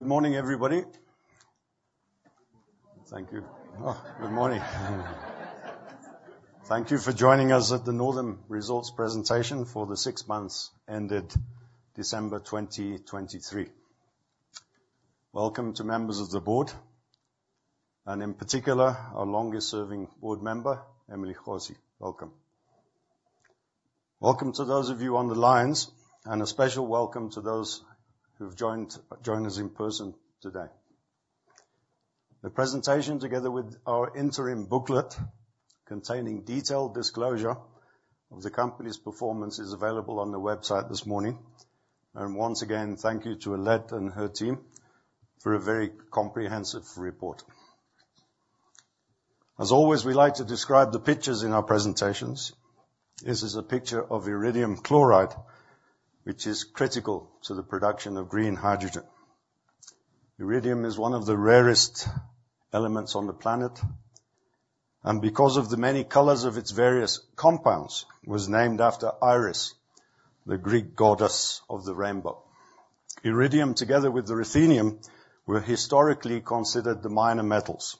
Good morning, everybody. Thank you. Oh, good morning. Thank you for joining us at the Northam Results presentation for the six months ended December 2023. Welcome to members of the board, and in particular, our longest-serving board member, Emily Abrahams. Welcome. Welcome to those of you on the lines, and a special welcome to those who've joined us in person today. The presentation, together with our interim booklet containing detailed disclosure of the company's performance, is available on the website this morning. Once again, thank you to Alet and her team for a very comprehensive report. As always, we like to describe the pictures in our presentations. This is a picture of iridium chloride, which is critical to the production of green hydrogen. Iridium is one of the rarest elements on the planet, and because of the many colors of its various compounds, was named after Iris, the Greek goddess of the rainbow. Iridium, together with the ruthenium, were historically considered the minor metals,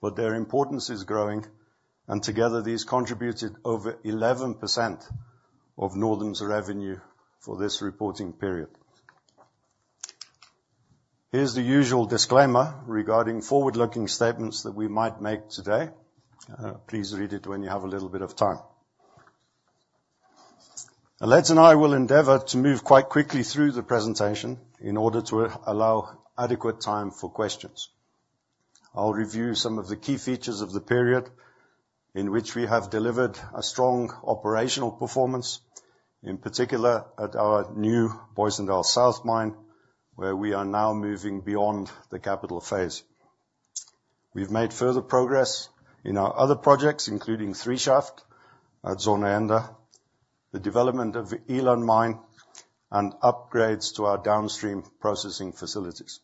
but their importance is growing, and together, these contributed over 11% of Northam's revenue for this reporting period. Here's the usual disclaimer regarding forward-looking statements that we might make today. Please read it when you have a little bit of time. Alet and I will endeavor to move quite quickly through the presentation in order to allow adequate time for questions. I'll review some of the key features of the period in which we have delivered a strong operational performance, in particular at our new Booysendal South mine, where we are now moving beyond the capital phase. We've made further progress in our other projects, including Three Shaft at Zondereinde, the development of the Eland mine, and upgrades to our downstream processing facilities.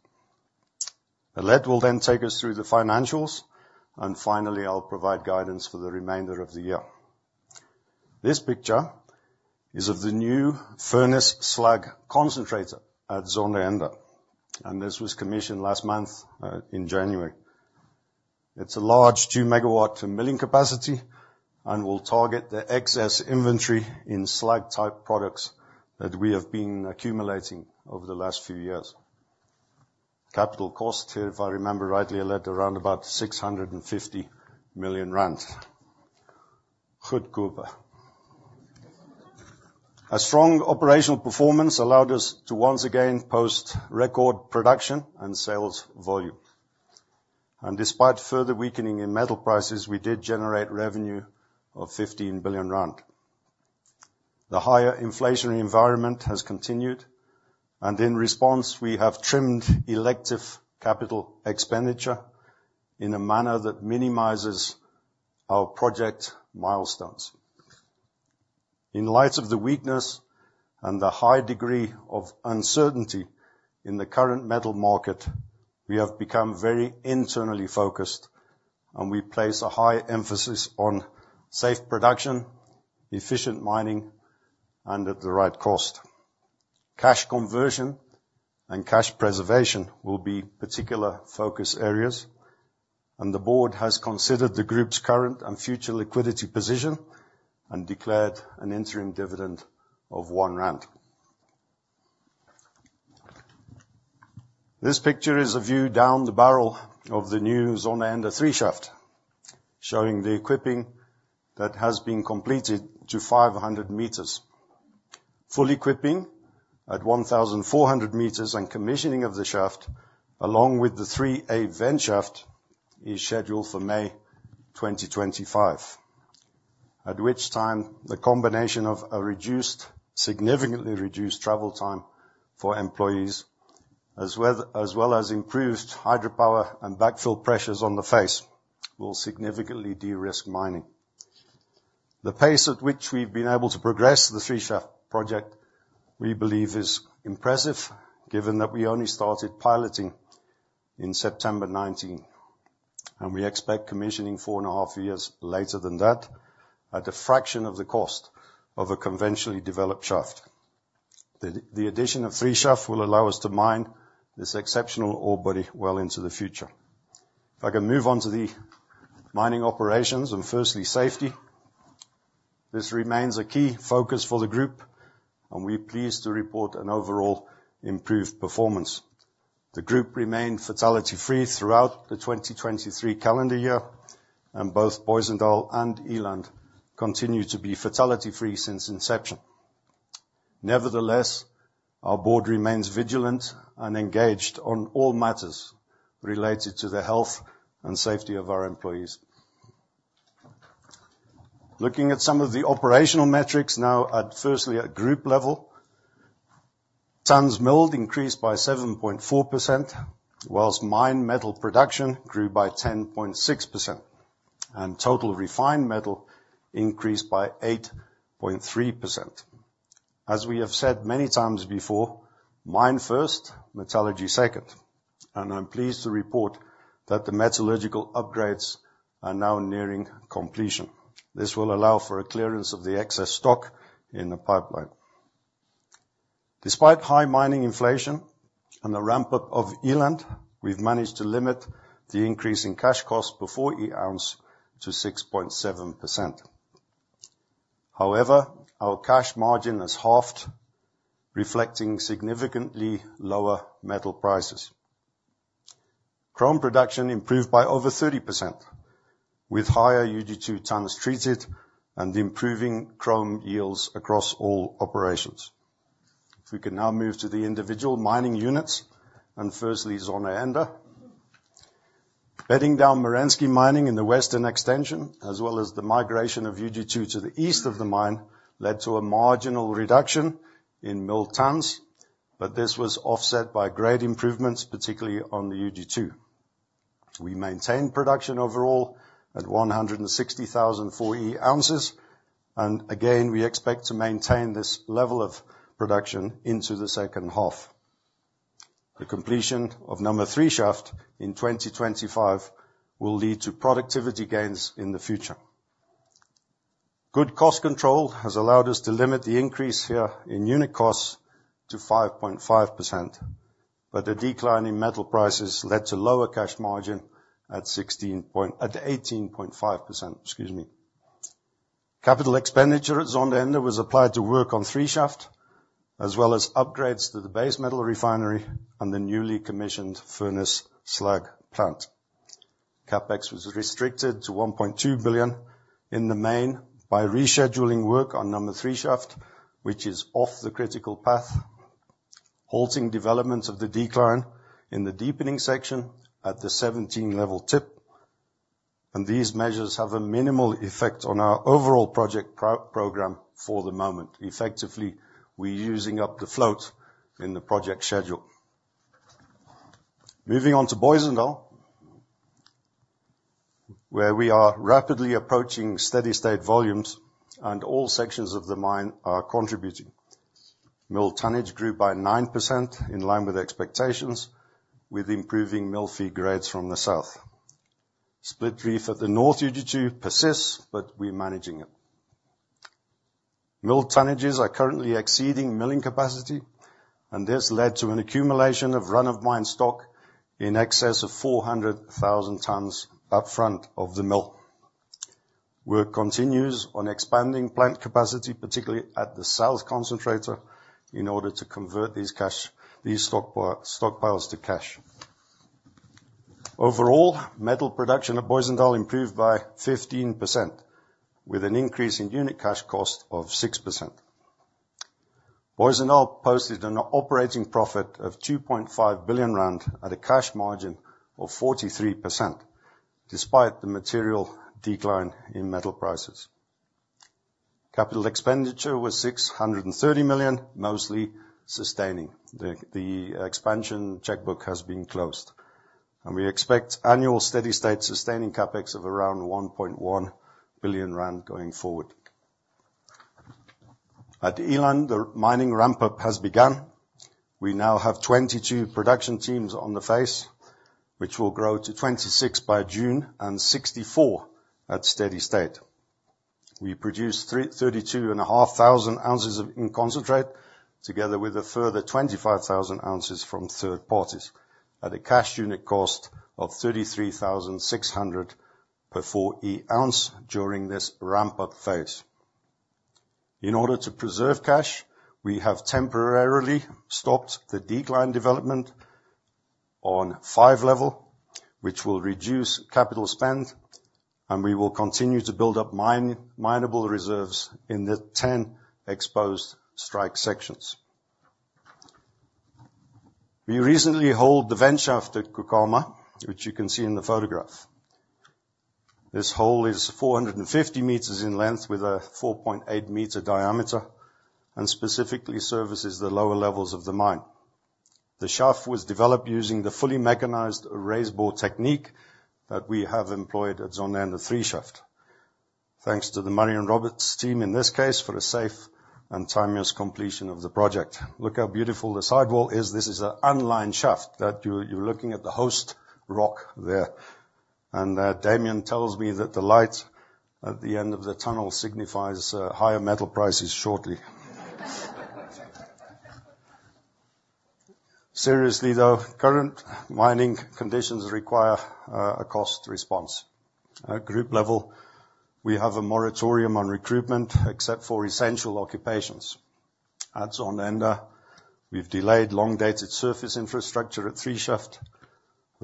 Alet will then take us through the financials, and finally, I'll provide guidance for the remainder of the year. This picture is of the new furnace slag concentrator at Zondereinde, and this was commissioned last month, in January. It's a large 2-megawatt-to-million capacity and will target the excess inventory in slag-type products that we have been accumulating over the last few years. Capital cost, if I remember rightly, Alet, around about 650 million rand. A strong operational performance allowed us to once again post-record production and sales volume. Despite further weakening in metal prices, we did generate revenue of 15 billion rand. The higher inflationary environment has continued, and in response, we have trimmed elective capital expenditure in a manner that minimizes our project milestones. In light of the weakness and the high degree of uncertainty in the current metal market, we have become very internally focused, and we place a high emphasis on safe production, efficient mining, and at the right cost. Cash conversion and cash preservation will be particular focus areas, and the board has considered the group's current and future liquidity position and declared an interim dividend of 1 rand. This picture is a view down the barrel of the new Zondereinde Three Shaft, showing the equipping that has been completed to 500 meters. Full equipping at 1,400 meters and commissioning of the shaft, along with the 3A vent shaft, is scheduled for May 2025, at which time the combination of a reduced, significantly reduced travel time for employees, as well as improved hydropower and backfill pressures on the face, will significantly de-risk mining. The pace at which we've been able to progress the Three Shaft project, we believe, is impressive given that we only started piloting in September 2019, and we expect commissioning four and a half years later than that at a fraction of the cost of a conventionally developed shaft. The addition of Three Shaft will allow us to mine this exceptional ore body well into the future. If I can move on to the mining operations and firstly safety, this remains a key focus for the group, and we're pleased to report an overall improved performance. The group remained fatality-free throughout the 2023 calendar year, and both Booysendal and Eland continue to be fatality-free since inception. Nevertheless, our board remains vigilant and engaged on all matters related to the health and safety of our employees. Looking at some of the operational metrics now, firstly, at group level, tonnes milled increased by 7.4%, while mine metal production grew by 10.6%, and total refined metal increased by 8.3%. As we have said many times before, mine first, metallurgy second, and I'm pleased to report that the metallurgical upgrades are now nearing completion. This will allow for a clearance of the excess stock in the pipeline. Despite high mining inflation and the ramp-up of Eland, we've managed to limit the increase in cash costs per 4E oz to 6.7%. However, our cash margin has halved, reflecting significantly lower metal prices. Chrome production improved by over 30%, with higher UG2 tonnes treated and improving chrome yields across all operations. If we can now move to the individual mining units and firstly Zondereinde. Bedding down Merensky mining in the Western Extension, as well as the migration of UG2 to the east of the mine, led to a marginal reduction in mill tonnes, but this was offset by great improvements, particularly on the UG2. We maintained production overall at 160,000 4E oz, and again, we expect to maintain this level of production into the second half. The completion of number three shaft in 2025 will lead to productivity gains in the future. Good cost control has allowed us to limit the increase here in unit costs to 5.5%, but a decline in metal prices led to lower cash margin at 18.5%, excuse me. Capital expenditure at Zondereinde was applied to work on Three Shaft, as well as upgrades to the base metal refinery and the newly commissioned furnace slag plant. CapEx was restricted to 1.2 billion in the main by rescheduling work on number three shaft, which is off the critical path, halting development of the decline in the deepening section at the 17-level tip, and these measures have a minimal effect on our overall project program for the moment. Effectively, we're using up the float in the project schedule. Moving on to Booysendal, where we are rapidly approaching steady-state volumes and all sections of the mine are contributing. Mill tonnage grew by 9% in line with expectations, with improving mill feed grades from the south. Split Reef at the north UG2 persists, but we're managing it. Mill tonnages are currently exceeding milling capacity, and this led to an accumulation of run-of-mine stock in excess of 400,000 tonnes upfront of the mill. Work continues on expanding plant capacity, particularly at the south concentrator, in order to convert these stockpiles to cash. Overall, metal production at Booysendal improved by 15%, with an increase in unit cash cost of 6%. Booysendal posted an operating profit of 2.5 billion rand at a cash margin of 43%, despite the material decline in metal prices. Capital expenditure was 630 million, mostly sustaining. The expansion checkbook has been closed, and we expect annual steady-state sustaining CapEx of around 1.1 billion rand going forward. At Eland, the mining ramp-up has begun. We now have 22 production teams on the face, which will grow to 26 by June and 64 at steady-state. We produce 32,500 ounces of in-concentrate, together with a further 25,000 ounces from third parties, at a cash unit cost of 33,600 per 4E-oz during this ramp-up phase. In order to preserve cash, we have temporarily stopped the decline development on five-level, which will reduce capital spend, and we will continue to build up mine-minable reserves in the 10 exposed strike sections. We recently holed the vent shaft at Kukama, which you can see in the photograph. This hole is 450 meters in length with a 4.8 meter diameter and specifically services the lower levels of the mine. The shaft was developed using the fully mechanized raise bore technique that we have employed at Zondereinde Three Shaft, thanks to the Murray and Roberts team in this case for a safe and timeous completion of the project. Look how beautiful the sidewall is. This is an unlined shaft that you're looking at the host rock there. Damian tells me that the light at the end of the tunnel signifies higher metal prices shortly. Seriously, though, current mining conditions require a cost response. At group level, we have a moratorium on recruitment except for essential occupations. At Zondereinde, we've delayed long-dated surface infrastructure at Three Shaft,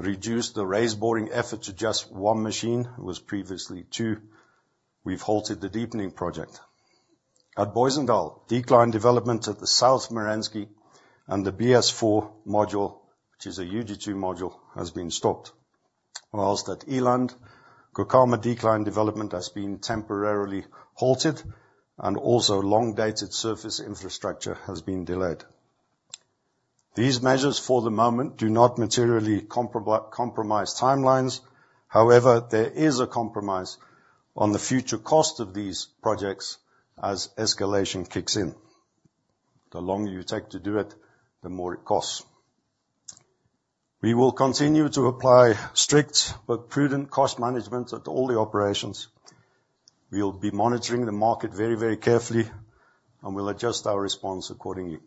reduced the raised boring effort to just one machine. It was previously two. We've halted the deepening project. At Booysendal, decline development at the South Merensky and the BS4 module, which is a UG2 module, has been stopped. Whilst at Eland, Kukama decline development has been temporarily halted, and also long-dated surface infrastructure has been delayed. These measures for the moment do not materially compromise timelines. However, there is a compromise on the future cost of these projects as escalation kicks in. The longer you take to do it, the more it costs. We will continue to apply strict but prudent cost management at all the operations. We'll be monitoring the market very, very carefully, and we'll adjust our response accordingly.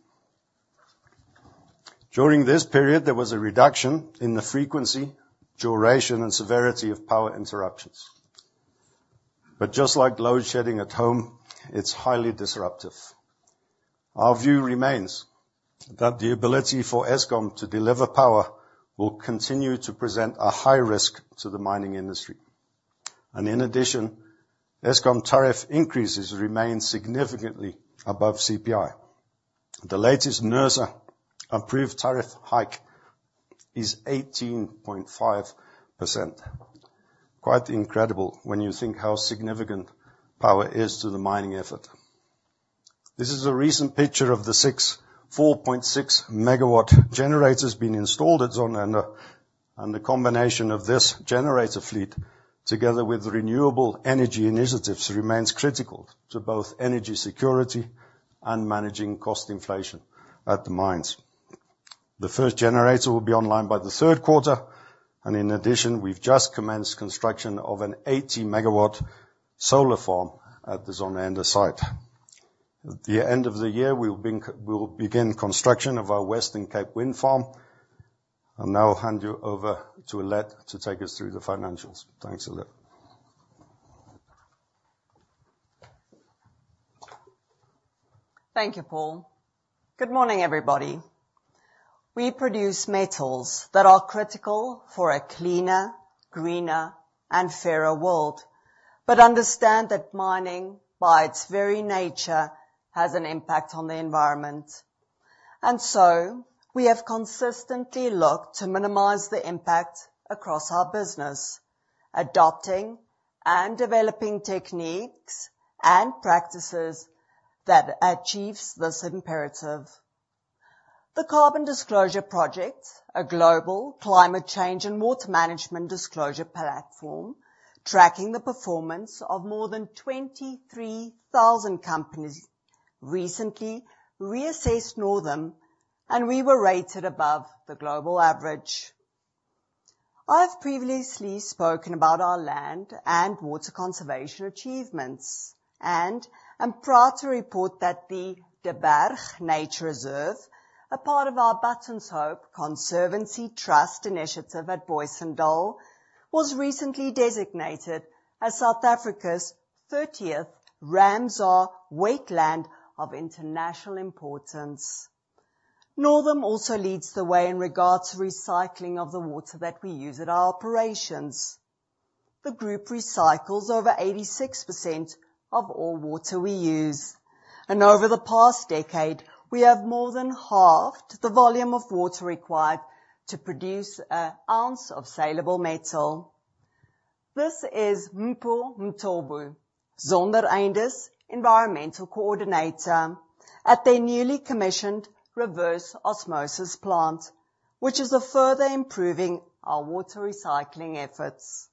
During this period, there was a reduction in the frequency, duration, and severity of power interruptions. But just like load shedding at home, it's highly disruptive. Our view remains that the ability for Eskom to deliver power will continue to present a high risk to the mining industry. In addition, Eskom tariff increases remain significantly above CPI. The latest NERSA approved tariff hike is 18.5%. Quite incredible when you think how significant power is to the mining effort. This is a recent picture of the 6 4.6-MW generators being installed at Zondereinde. The combination of this generator fleet, together with renewable energy initiatives, remains critical to both energy security and managing cost inflation at the mines. The first generator will be online by the third quarter, and in addition, we've just commenced construction of an 80-megawatt solar farm at the Zondereinde site. At the end of the year, we'll begin construction of our Western Cape wind farm. I'll now hand you over to Alet to take us through the financials. Thanks, Alet. Thank you, Paul. Good morning, everybody. We produce metals that are critical for a cleaner, greener, and fairer world, but understand that mining, by its very nature, has an impact on the environment. And so we have consistently looked to minimize the impact across our business, adopting and developing techniques and practices that achieve this imperative. The Carbon Disclosure Project, a global climate change and water management disclosure platform tracking the performance of more than 23,000 companies, recently reassessed Northam, and we were rated above the global average. I have previously spoken about our land and water conservation achievements, and am proud to report that the De Wilge Nature Reserve, a part of our Bateman’s Hope Conservancy Trust initiative at Booysendal, was recently designated as South Africa's 30th Ramsar Wetland of International Importance. Northam also leads the way in regards to recycling of the water that we use at our operations. The group recycles over 86% of all water we use, and over the past decade, we have more than halved the volume of water required to produce an ounce of salable metal. This is Mpho Sobhani, Zondereinde environmental coordinator at their newly commissioned reverse osmosis plant, which is further improving our water recycling efforts.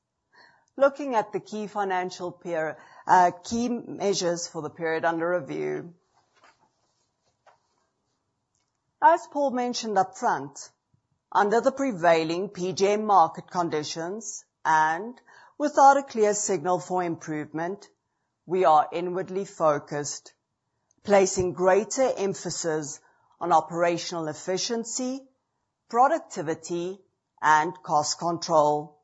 Looking at the key financial period, key measures for the period under review. As Paul mentioned upfront, under the prevailing PGM market conditions and without a clear signal for improvement, we are inwardly focused, placing greater emphasis on operational efficiency, productivity, and cost control.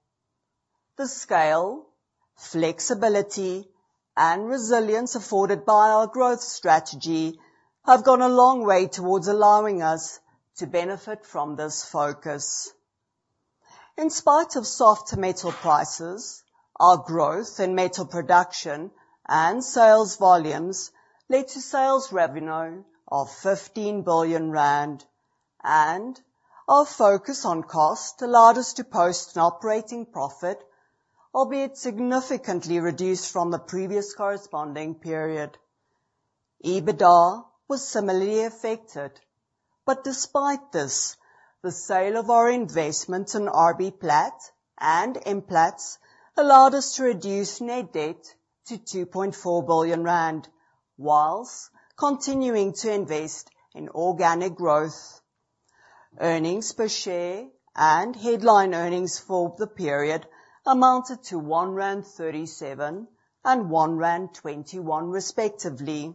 The scale, flexibility, and resilience afforded by our growth strategy have gone a long way towards allowing us to benefit from this focus. In spite of softer metal prices, our growth in metal production and sales volumes led to sales revenue of 15 billion rand, and our focus on cost allowed us to post an operating profit, albeit significantly reduced from the previous corresponding period. EBITDA was similarly affected, but despite this, the sale of our investments in RBPlat and M Plat allowed us to reduce net debt to 2.4 billion rand, whilst continuing to invest in organic growth. Earnings per share and headline earnings for the period amounted to 1.37 and 1.21, respectively.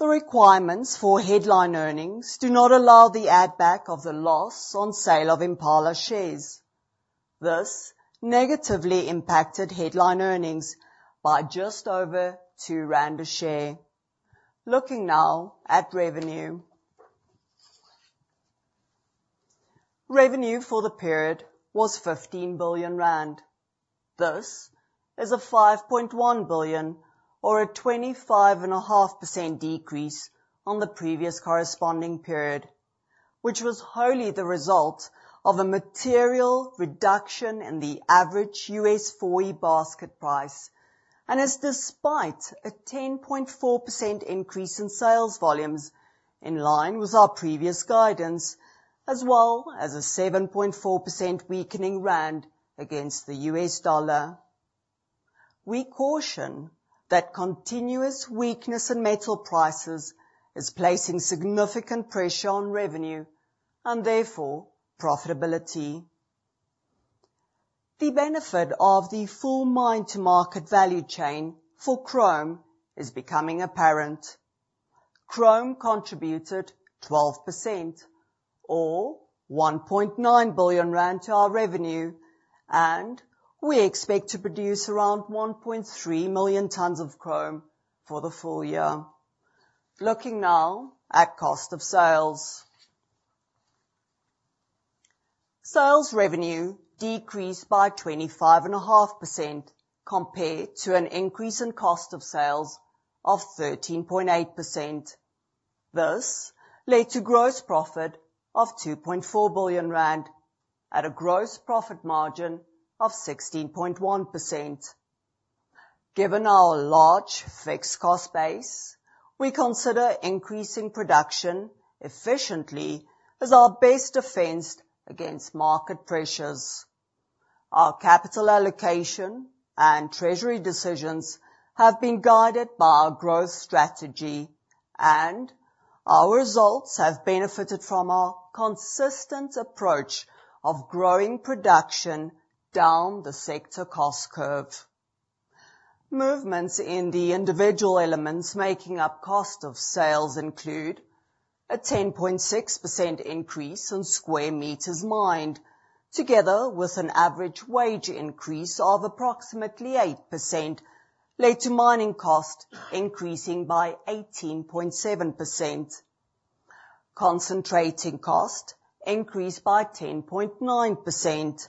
The requirements for headline earnings do not allow the add-back of the loss on sale of Impala shares. This negatively impacted headline earnings by just over 2 rand a share. Looking now at revenue. Revenue for the period was 15 billion rand. This is a 5.1 billion or a 25.5% decrease on the previous corresponding period, which was wholly the result of a material reduction in the average U.S. 4E basket price, and is despite a 10.4% increase in sales volumes in line with our previous guidance, as well as a 7.4% weakening rand against the U.S. dollar. We caution that continuous weakness in metal prices is placing significant pressure on revenue and therefore profitability. The benefit of the full mine-to-market value chain for chrome is becoming apparent. Chrome contributed 12% or 1.9 billion rand to our revenue, and we expect to produce around 1.3 million tons of chrome for the full year. Looking now at cost of sales. Sales revenue decreased by 25.5% compared to an increase in cost of sales of 13.8%. This led to gross profit of 2.4 billion rand at a gross profit margin of 16.1%. Given our large fixed cost base, we consider increasing production efficiently as our best defense against market pressures. Our capital allocation and treasury decisions have been guided by our growth strategy, and our results have benefited from our consistent approach of growing production down the sector cost curve. Movements in the individual elements making up cost of sales include a 10.6% increase in square meters mined, together with an average wage increase of approximately 8%, led to mining cost increasing by 18.7%. Concentrating cost increased by 10.9%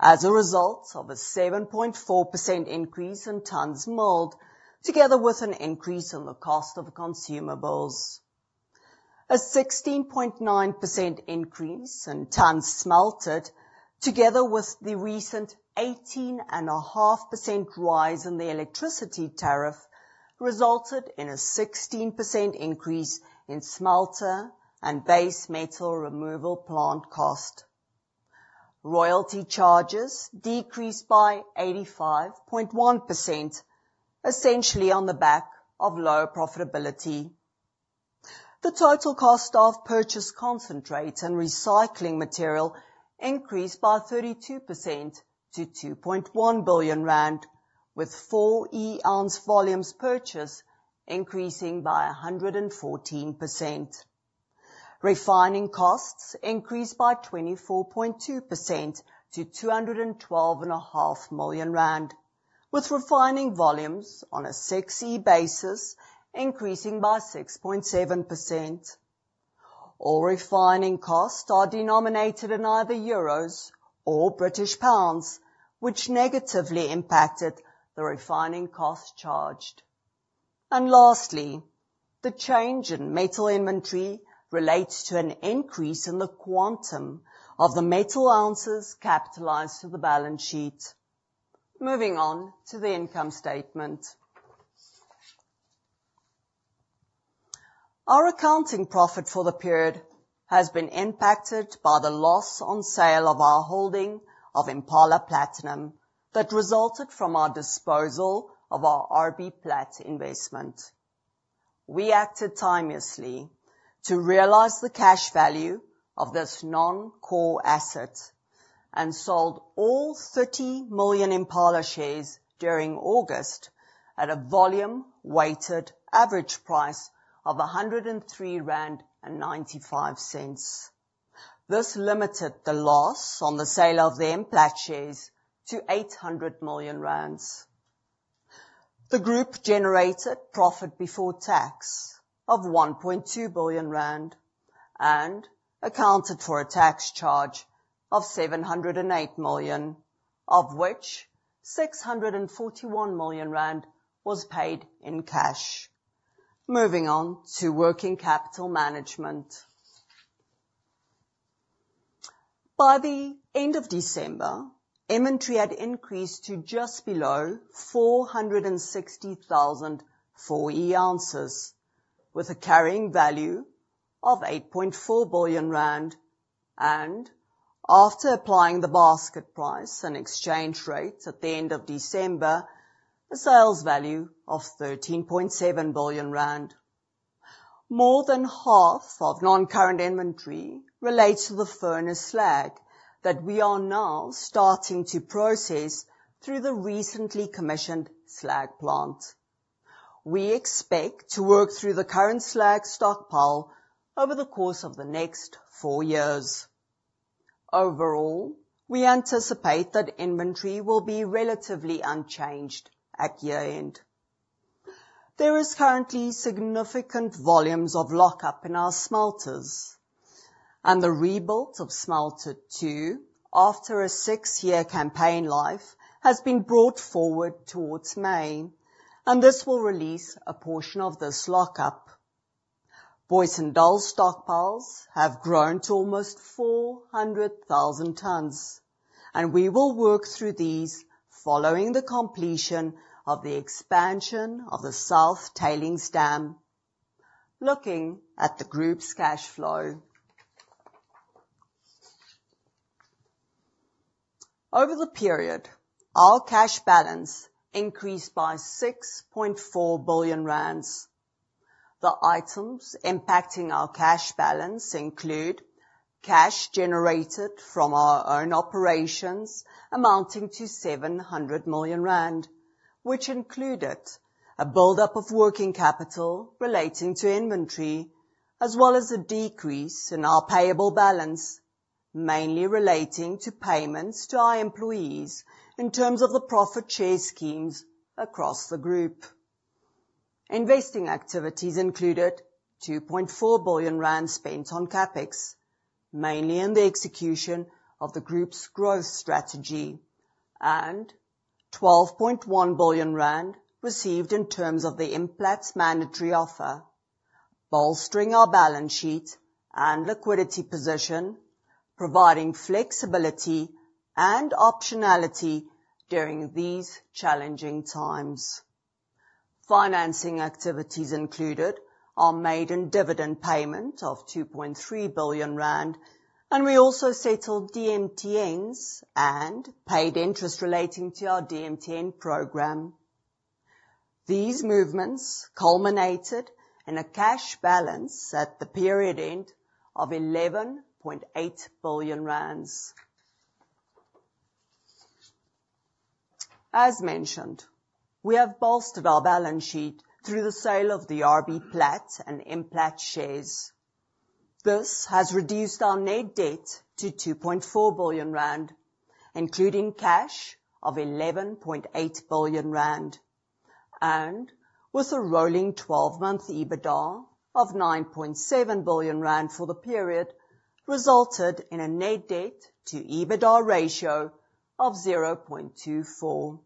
as a result of a 7.4% increase in tons milled, together with an increase in the cost of consumables. A 16.9% increase in tons smelted, together with the recent 18.5% rise in the electricity tariff, resulted in a 16% increase in smelter and base metal removal plant cost. Royalty charges decreased by 85.1%, essentially on the back of lower profitability. The total cost of purchase concentrate and recycling material increased by 32% to 2.1 billion rand, with 4E ounce volumes purchase increasing by 114%. Refining costs increased by 24.2% to 212.5 million rand, with refining volumes on a 6E basis increasing by 6.7%. All refining costs are denominated in either euros or British pounds, which negatively impacted the refining cost charged. And lastly, the change in metal inventory relates to an increase in the quantum of the metal ounces capitalized to the balance sheet. Moving on to the income statement. Our accounting profit for the period has been impacted by the loss on sale of our holding of Impala Platinum that resulted from our disposal of our RBPlat investment. We acted timely to realize the cash value of this non-core asset and sold all 30 million Impala shares during August at a volume weighted average price of 103.95 rand. This limited the loss on the sale of the RBPlat shares to 800 million rand. The group generated profit before tax of 1.2 billion rand and accounted for a tax charge of 708 million, of which 641 million rand was paid in cash. Moving on to working capital management. By the end of December, inventory had increased to just below 460,000 4E ounces, with a carrying value of 8.4 billion rand, and after applying the basket price and exchange rate at the end of December, a sales value of 13.7 billion rand. More than half of non-current inventory relates to the furnace slag that we are now starting to process through the recently commissioned slag plant. We expect to work through the current slag stockpile over the course of the next four years. Overall, we anticipate that inventory will be relatively unchanged at year-end. There is currently significant volumes of lockup in our smelters, and the rebuilt of smelter 2 after a six-year campaign life has been brought forward towards May, and this will release a portion of this lockup. Booysendal stockpiles have grown to almost 400,000 tons, and we will work through these following the completion of the expansion of the South Tailings Dam. Looking at the group's cash flow. Over the period, our cash balance increased by 6.4 billion rand. The items impacting our cash balance include cash generated from our own operations amounting to 700 million rand, which included a buildup of working capital relating to inventory, as well as a decrease in our payable balance mainly relating to payments to our employees in terms of the profit share schemes across the group. Investing activities included 2.4 billion rand spent on CapEx mainly in the execution of the group's growth strategy, and 12.1 billion rand received in terms of the RBPlat mandatory offer, bolstering our balance sheet and liquidity position, providing flexibility and optionality during these challenging times. Financing activities included our made-in-dividend payment of 2.3 billion rand, and we also settled DMTNs and paid interest relating to our DMTN programme. These movements culminated in a cash balance at the period end of 11.8 billion rand. As mentioned, we have bolstered our balance sheet through the sale of the RBPlat and M Plat shares. This has reduced our net debt to 2.4 billion rand, including cash of 11.8 billion rand, and with a rolling 12-month EBITDA of 9.7 billion rand for the period resulted in a net debt-to-EBITDA ratio of 0.24.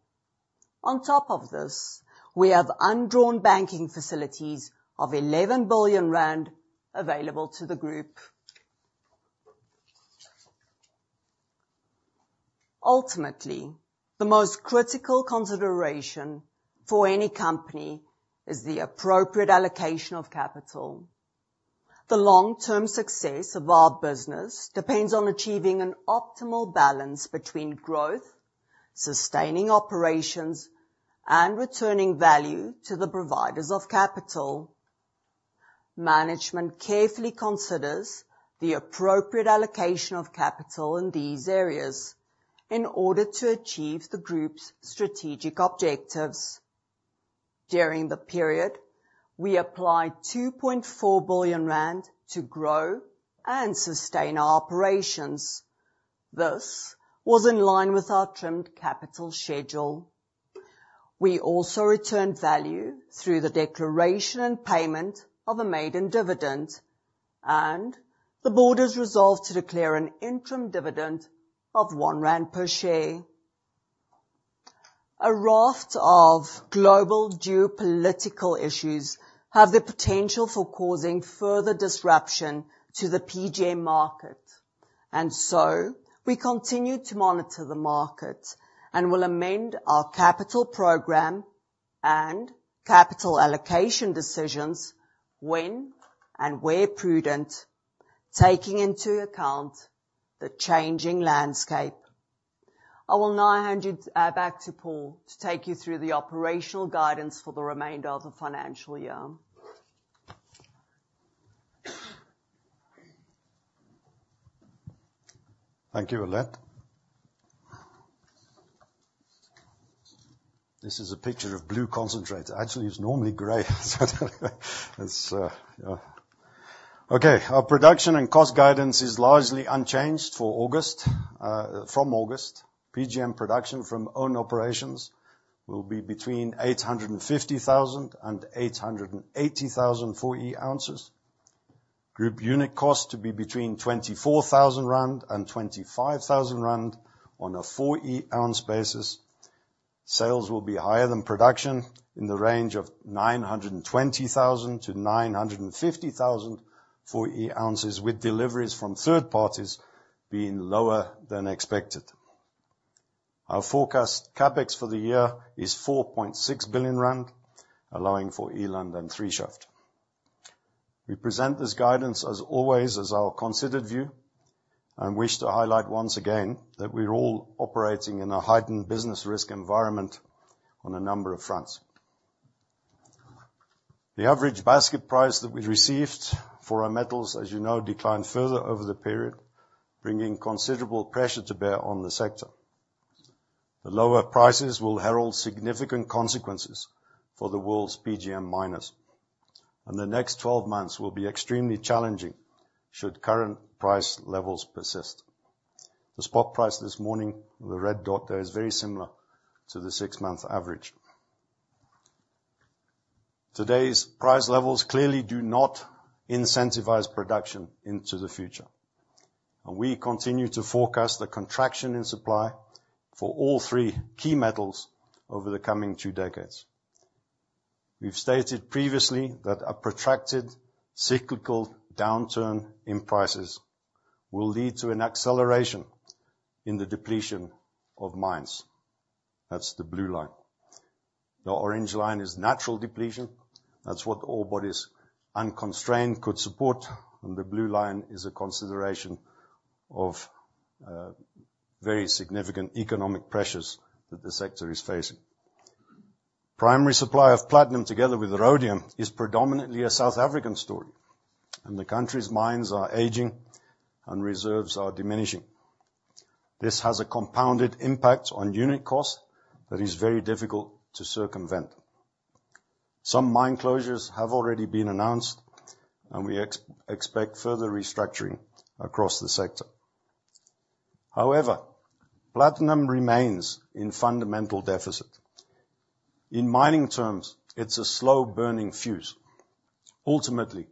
On top of this, we have undrawn banking facilities of 11 billion rand available to the group. Ultimately, the most critical consideration for any company is the appropriate allocation of capital. The long-term success of our business depends on achieving an optimal balance between growth, sustaining operations, and returning value to the providers of capital. Management carefully considers the appropriate allocation of capital in these areas in order to achieve the group's strategic objectives. During the period, we applied 2.4 billion rand to grow and sustain our operations. This was in line with our trimmed capital schedule. We also returned value through the declaration and payment of a maiden dividend, and the board has resolved to declare an interim dividend of 1 rand per share. A raft of global geopolitical issues have the potential for causing further disruption to the PGM market, and so we continue to monitor the market and will amend our capital program and capital allocation decisions when and where prudent, taking into account the changing landscape. I will now hand you back to Paul to take you through the operational guidance for the remainder of the financial year. Thank you, Alet. This is a picture of blue concentrate. Actually, it's normally grey. It's, yeah. Okay. Our production and cost guidance is largely unchanged for August, from August. PGM production from own operations will be between 850,000 and 880,000 4E ounces. Group unit cost to be between 24,000 rand and 25,000 rand on a 4E ounce basis. Sales will be higher than production in the range of 920,000 to 950,000 4E ounces, with deliveries from third parties being lower than expected. Our forecast CapEx for the year is 4.6 billion rand, allowing for Eland and Three Shaft. We present this guidance, as always, as our considered view, and wish to highlight once again that we're all operating in a heightened business risk environment on a number of fronts. The average basket price that we received for our metals, as you know, declined further over the period, bringing considerable pressure to bear on the sector. The lower prices will herald significant consequences for the world's PGM miners, and the next 12 months will be extremely challenging should current price levels persist. The spot price this morning, the red dot there, is very similar to the six-month average. Today's price levels clearly do not incentivize production into the future, and we continue to forecast a contraction in supply for all three key metals over the coming two decades. We've stated previously that a protracted cyclical downturn in prices will lead to an acceleration in the depletion of mines. That's the blue line. The orange line is natural depletion. That's what all bodies unconstrained could support, and the blue line is a consideration of, very significant economic pressures that the sector is facing. Primary supply of platinum, together with the rhodium, is predominantly a South African story, and the country's mines are aging and reserves are diminishing. This has a compounded impact on unit cost that is very difficult to circumvent. Some mine closures have already been announced, and we expect further restructuring across the sector. However, platinum remains in fundamental deficit. In mining terms, it's a slow-burning fuse. Ultimately,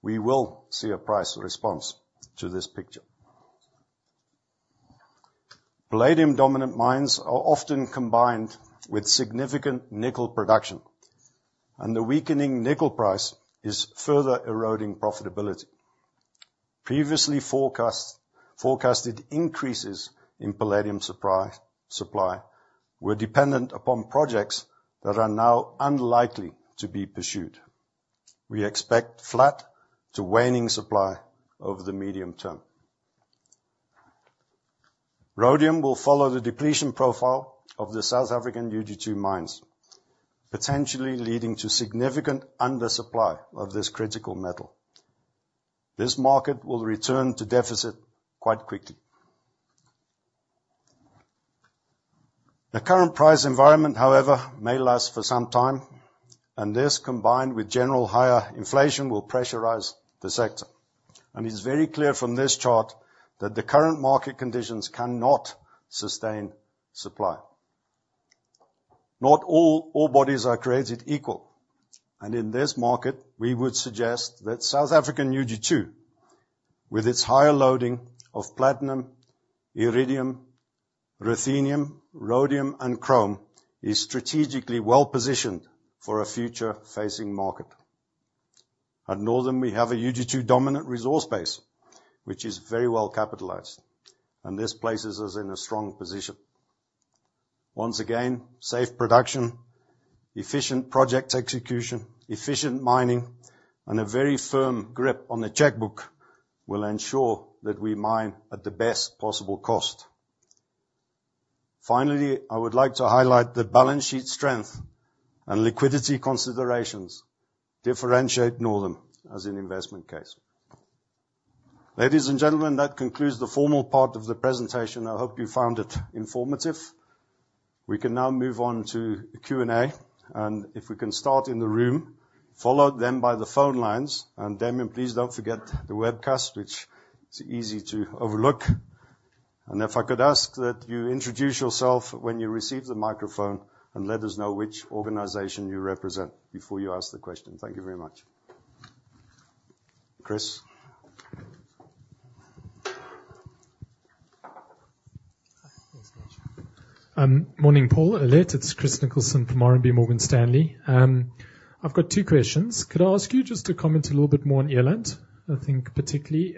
we will see a price response to this picture. Palladium-dominant mines are often combined with significant nickel production, and the weakening nickel price is further eroding profitability. Previously forecasted increases in palladium supply were dependent upon projects that are now unlikely to be pursued. We expect flat to waning supply over the medium term. Rhodium will follow the depletion profile of the South African UG2 mines, potentially leading to significant undersupply of this critical metal. This market will return to deficit quite quickly. The current price environment, however, may last for some time, and this, combined with general higher inflation, will pressurize the sector. It's very clear from this chart that the current market conditions cannot sustain supply. Not all bodies are created equal, and in this market, we would suggest that South African UG2, with its higher loading of platinum, iridium, ruthenium, rhodium, and chrome, is strategically well-positioned for a future-facing market. At Northam, we have a UG2-dominant resource base, which is very well capitalised, and this places us in a strong position. Once again, safe production, efficient project execution, efficient mining, and a very firm grip on the checkbook will ensure that we mine at the best possible cost. Finally, I would like to highlight that balance sheet strength and liquidity considerations differentiate Northam as an investment case. Ladies and gentlemen, that concludes the formal part of the presentation. I hope you found it informative. We can now move on to Q&A, and if we can start in the room, followed by the phone lines. Damian, please don't forget the webcast, which is easy to overlook. If I could ask that you introduce yourself when you receive the microphone and let us know which organization you represent before you ask the question. Thank you very much. Chris. Morning, Paul, Aletta. It's Chris Nicholson from RMB Morgan Stanley. I've got two questions. Could I ask you just to comment a little bit more on Eland? I think particularly.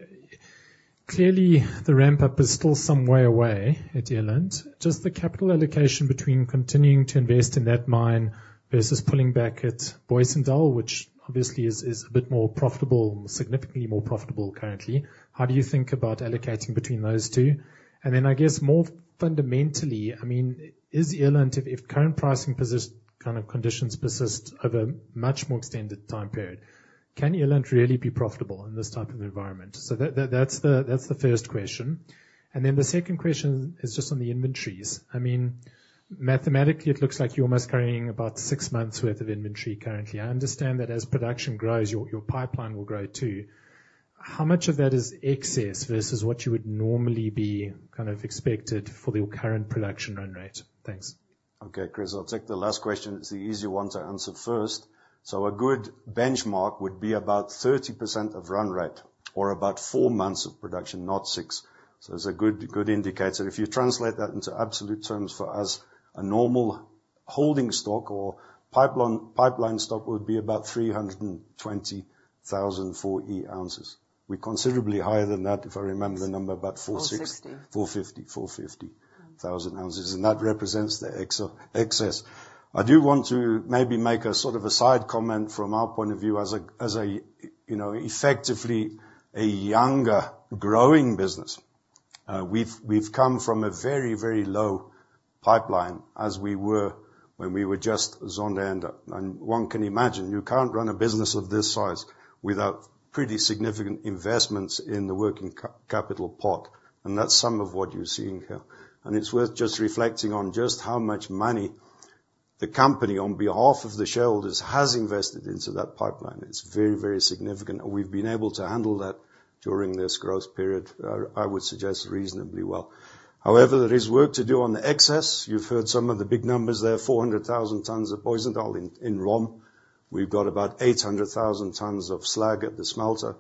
Clearly, the ramp-up is still some way away at Eland. Just the capital allocation between continuing to invest in that mine versus pulling back at Booysendal, which obviously is a bit more profitable, significantly more profitable currently, how do you think about allocating between those two? And then, I guess, more fundamentally, I mean, is Eland, if current pricing kind of conditions persist over a much more extended time period, can Eland really be profitable in this type of environment? So that's the first question. And then the second question is just on the inventories. I mean, mathematically, it looks like you're almost carrying about 6 months' worth of inventory currently. I understand that as production grows, your pipeline will grow too. How much of that is excess versus what you would normally be kind of expected for your current production run rate? Thanks. Okay, Chris. I'll take the last question. It's the easier one to answer first. So a good benchmark would be about 30% of run rate, or about 4 months of production, not 6. So it's a good indicator. If you translate that into absolute terms for us, a normal holding stock or pipeline stock would be about 320,000 4E ounces. We're considerably higher than that, if I remember the number, about 460,000 ounces. That represents the excess. I do want to maybe make a sort of a side comment from our point of view as a, you know, effectively a younger, growing business. We've come from a very, very low pipeline as we were when we were just Zondereinde. One can imagine, you can't run a business of this size without pretty significant investments in the working capital pot, and that's some of what you're seeing here. It's worth just reflecting on just how much money the company on behalf of the shareholders has invested into that pipeline. It's very, very significant. And we've been able to handle that during this growth period, I would suggest, reasonably well. However, there is work to do on the excess. You've heard some of the big numbers there, 400,000 tonnes of Booysendal in ROM. We've got about 800,000 tonnes of slag at the smelter,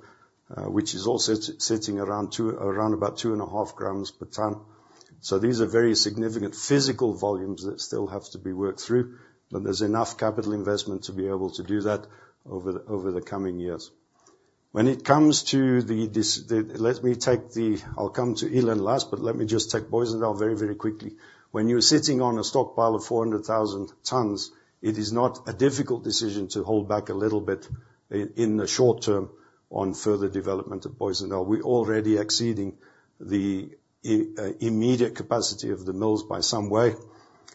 which is also sitting around about 2.5 grams per tonne. So these are very significant physical volumes that still have to be worked through, but there's enough capital investment to be able to do that over the coming years. When it comes to, I'll come to Eland last, but let me just take Booysendal very, very quickly. When you're sitting on a stockpile of 400,000 tonnes, it is not a difficult decision to hold back a little bit in the short term on further development of Booysendal. We're already exceeding the immediate capacity of the mills by some way.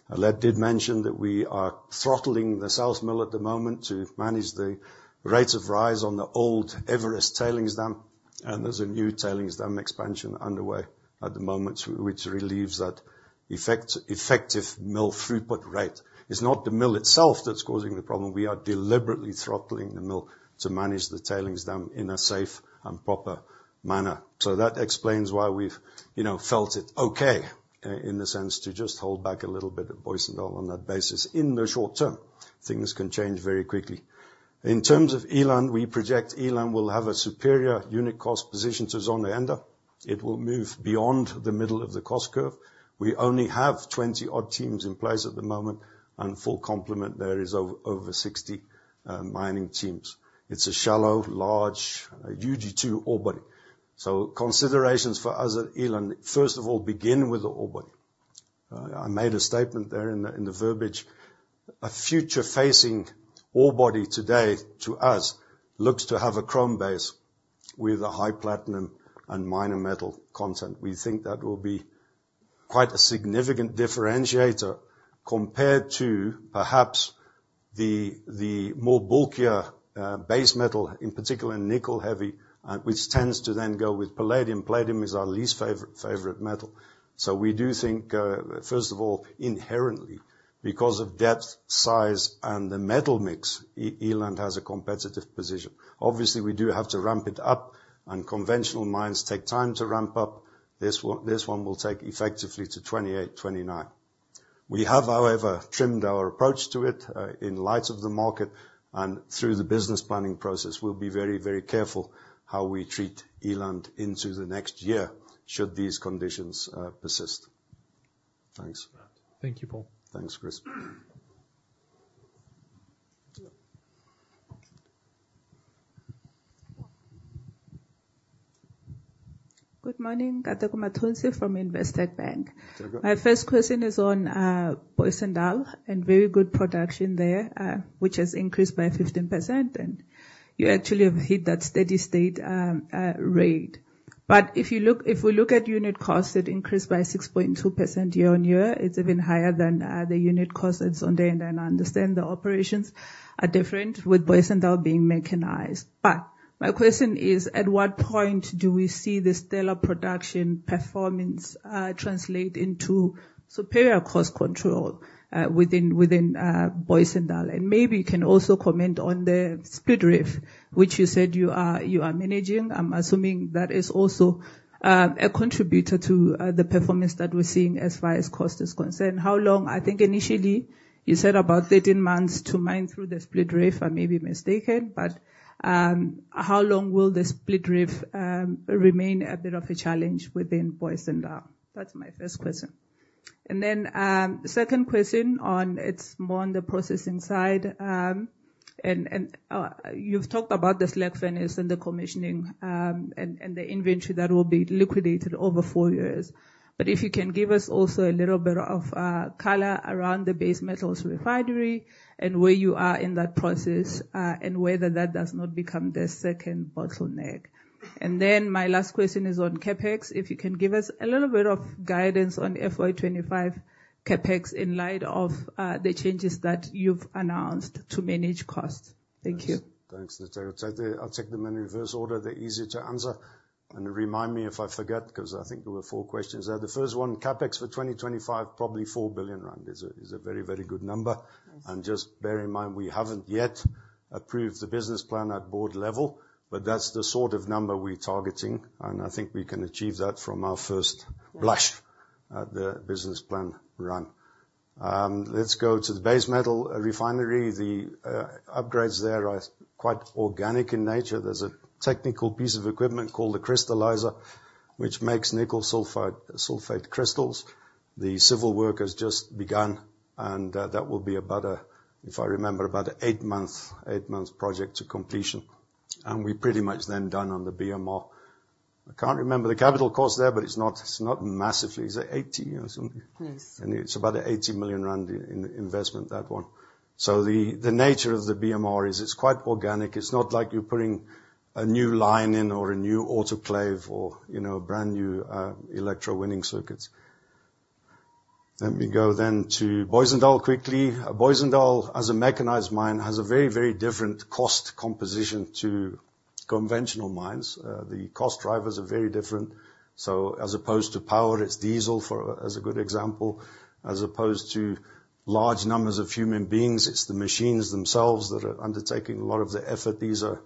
Alet did mention that we are throttling the South Mill at the moment to manage the rates of rise on the old Everest tailings dam, and there's a new tailings dam expansion underway at the moment, which relieves that effective mill throughput rate. It's not the mill itself that's causing the problem. We are deliberately throttling the mill to manage the tailings dam in a safe and proper manner. So that explains why we've, you know, felt it okay in the sense to just hold back a little bit of Booysendal on that basis in the short term. Things can change very quickly. In terms of Eland, we project Eland will have a superior unit cost position to Zondereinde. It will move beyond the middle of the cost curve. We only have 20-odd teams in place at the moment, and full complement there is over 60 mining teams. It's a shallow, large UG2 ore body. So considerations for us at Eland, first of all, begin with the ore body. I made a statement there in the verbiage. A future-facing ore body today, to us, looks to have a chrome base with a high platinum and minor metal content. We think that will be quite a significant differentiator compared to, perhaps, the more bulkier base metal, in particular nickel-heavy, which tends to then go with palladium. Palladium is our least favourite metal. So we do think, first of all, inherently, because of depth, size, and the metal mix, Eland has a competitive position. Obviously, we do have to ramp it up, and conventional mines take time to ramp up. This one will take effectively to 2028, 2029. We have, however, trimmed our approach to it in light of the market and through the business planning process. We'll be very, very careful how we treat Eland into the next year should these conditions persist. Thanks. Thank you, Paul. Thanks, Chris. Good morning, Nkateko Mathonsi from Investec Bank. My first question is on Booysendal and very good production there, which has increased by 15%, and you actually have hit that steady state rate. But if we look at unit costs that increased by 6.2% year-over-year, it's even higher than the unit cost at Zondereinde. And I understand the operations are different with Booysendal being mechanized. But my question is, at what point do we see this stellar production performance translate into superior cost control within Booysendal? And maybe you can also comment on the Split Reef, which you said you are managing. I'm assuming that is also a contributor to the performance that we're seeing as far as cost is concerned. How long? I think initially you said about 13 months to mine through the Split Reef. I may be mistaken, but how long will the Split Reef remain a bit of a challenge within Booysendal? That's my first question. And then the second question on it's more on the processing side. And you've talked about the slag finish and the commissioning and the inventory that will be liquidated over 4 years. But if you can give us also a little bit of color around the Base Metal Refinery and where you are in that process and whether that does not become the second bottleneck. And then my last question is on CapEx. If you can give us a little bit of guidance on FY25 CapEx in light of the changes that you've announced to manage costs? Thank you. Thanks, Nkateko. I'll take them in reverse order. They're easier to answer. And remind me if I forget, because I think there were four questions there. The first one, CapEx for 2025, probably 4 billion rand is a very, very good number. And just bear in mind, we haven't yet approved the business plan at board level, but that's the sort of number we're targeting, and I think we can achieve that from our first blush at the business plan run. Let's go to the Base Metal Refinery. The upgrades there are quite organic in nature. There's a technical piece of equipment called a crystallizer, which makes nickel sulfate crystals. The civil work has just begun, and that will be about a, if I remember, about an 8-month project to completion. We're pretty much then done on the BMR. I can't remember the capital cost there, but it's not massively. Is it 80 or something? Yes. And it's about a 80 million rand investment, that one. So the nature of the BMR is it's quite organic. It's not like you're putting a new line in or a new autoclave or brand new electrowinning circuits. Let me go then to Booysendal quickly. Booysendal, as a mechanized mine, has a very, very different cost composition to conventional mines. The cost drivers are very different. So as opposed to power, it's diesel as a good example. As opposed to large numbers of human beings, it's the machines themselves that are undertaking a lot of the effort. These are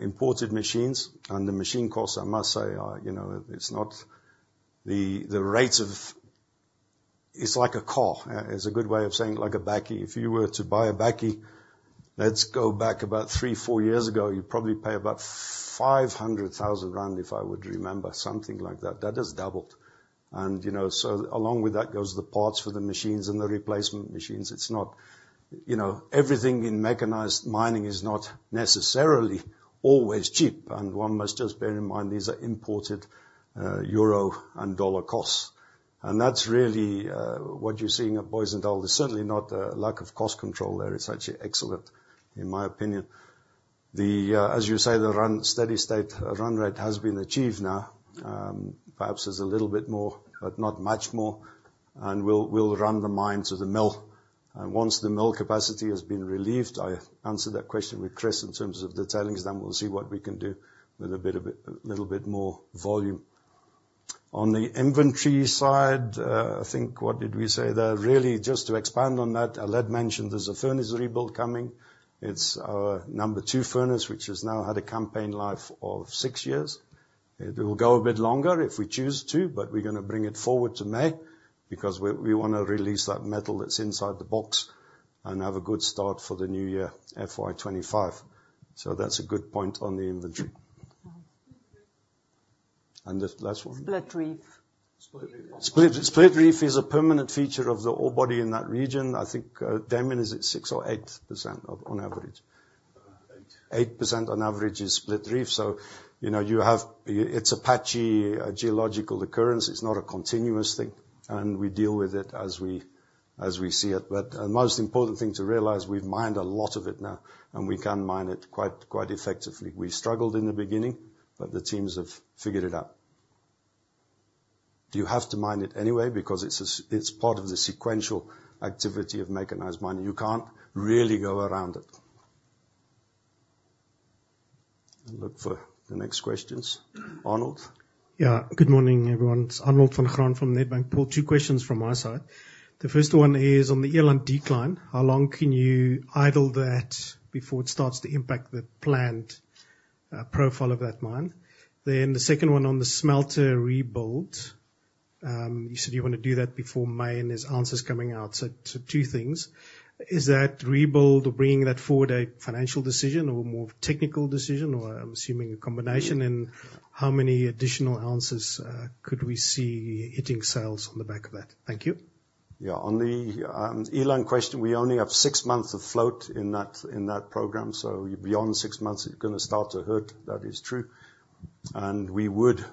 imported machines, and the machine costs, I must say, are, you know, it's not the rates of—it's like a car, is a good way of saying, like a bakkie. If you were to buy a bakkie, let's go back about three, four years ago, you'd probably pay about 500,000 rand, if I would remember, something like that. That has doubled. And you know so along with that goes the parts for the machines and the replacement machines. It's not, everything in mechanized mining is not necessarily always cheap. And one must just bear in mind, these are imported euro and dollar costs. And that's really what you're seeing at Booysendal. There's certainly not a lack of cost control there. It's actually excellent, in my opinion. As you say, the run steady state run rate has been achieved now. Perhaps there's a little bit more, but not much more. We'll run the mine to the mill. Once the mill capacity has been relieved, I answered that question with Chris in terms of the tailings dam, we'll see what we can do with a bit of a little bit more volume. On the inventory side, I think what did we say there? Really, just to expand on that, Alet mentioned there's a furnace rebuild coming. It's our number 2 furnace, which has now had a campaign life of 6 years. It will go a bit longer if we choose to, but we're going to bring it forward to May because we want to release that metal that's inside the box and have a good start for the new year, FY25. So that's a good point on the inventory. The last one. Split Reef. Split Reef is a permanent feature of the ore body in that region. I think, Damian, is it 6 or 8% on average? 8%. 8% on average is split reef. So you know you have it's a patchy geological occurrence. It's not a continuous thing. And we deal with it as we see it. But the most important thing to realize, we've mined a lot of it now, and we can mine it quite effectively. We struggled in the beginning, but the teams have figured it out. Do you have to mine it anyway because it's a part of the sequential activity of mechanized mining? You can't really go around it. Look for the next questions. Arnold? Yeah, good morning, everyone. It's Arnold van Graan from Nedbank. Paul, two questions from my side. The first one is on the Eland decline. How long can you idle that before it starts to impact the planned profile of that mine? Then the second one on the smelter rebuild. You said you want to do that before May, and there's ounces coming out. So two things. Is that rebuild or bringing that forward a financial decision or more technical decision, or I'm assuming a combination? And how many additional ounces could we see hitting sales on the back of that? Thank you. Yeah, on the Eland question, we only have six months of float in that program. So beyond six months, it's going to start to hurt. That is true. And we would,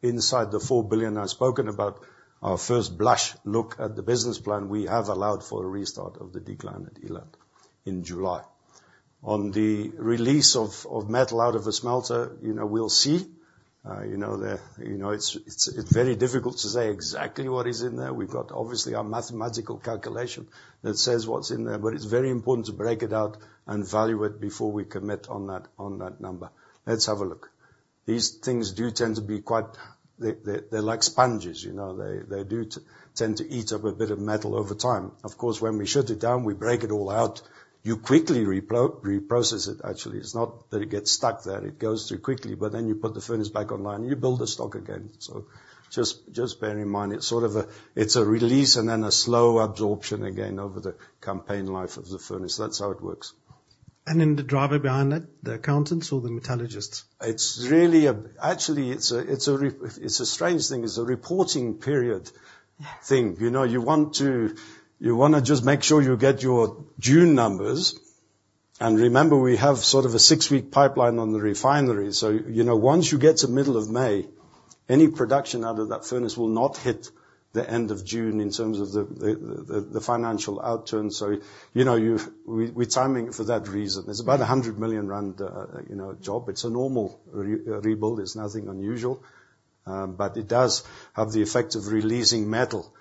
inside the 4 billion I've spoken about, our first blush look at the business plan, we have allowed for a restart of the decline at Eland in July. On the release of metal out of a smelter, we'll see. it's very difficult to say exactly what is in there. We've got obviously our mathematical calculation that says what's in there, but it's very important to break it out and value it before we commit on that number. Let's have a look. These things do tend to be quite, they're like sponges. They do tend to eat up a bit of metal over time. Of course, when we shut it down, we break it all out. You quickly reprocess it, actually. It's not that it gets stuck there. It goes through quickly, but then you put the furnace back online and you build the stock again. So just bear in mind, it's sort of a release and then a slow absorption again over the campaign life of the furnace. That's how it works. And then the driver behind that, the accountants or the metallurgists? It's really actually, it's a strange thing. It's a reporting period thing. You want to just make sure you get your June numbers. And remember, we have sort of a 6-week pipeline on the refinery. So once you get to middle of May, any production out of that furnace will not hit the end of June in terms of the financial outturn. So we're timing it for that reason. It's about a 100 million rand, job. It's a normal rebuild. It's nothing unusual. But it does have the effect of releasing metal.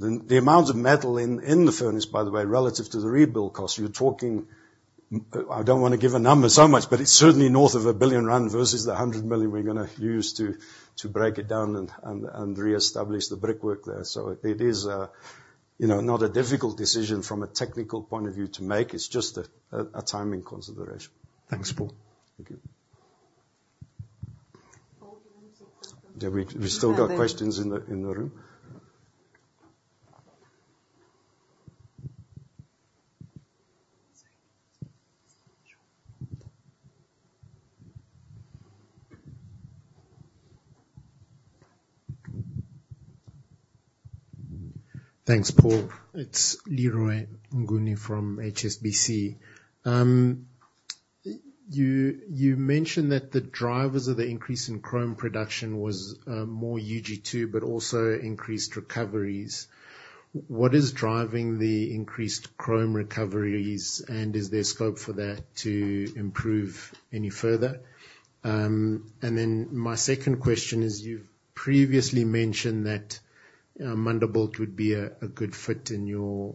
The amount of metal in the furnace, by the way, relative to the rebuild cost, you're talking, I don't want to give a number so much, but it's certainly north of 1 billion rand versus the 100 million we're going to use to break it down and re-establish the brickwork there. So it is, not a difficult decision from a technical point of view to make. It's just a timing consideration. Thanks, Paul. Thank you. Paul, do you want to say something? Yeah, we've still got questions in the room. Thanks, Paul. It's Leroy Mnguni from HSBC. You mentioned that the drivers of the increase in chrome production was more UG2, but also increased recoveries. What is driving the increased chrome recoveries, and is there scope for that to improve any further? Then my second question is, you've previously mentioned that Amandelbult would be a good fit in your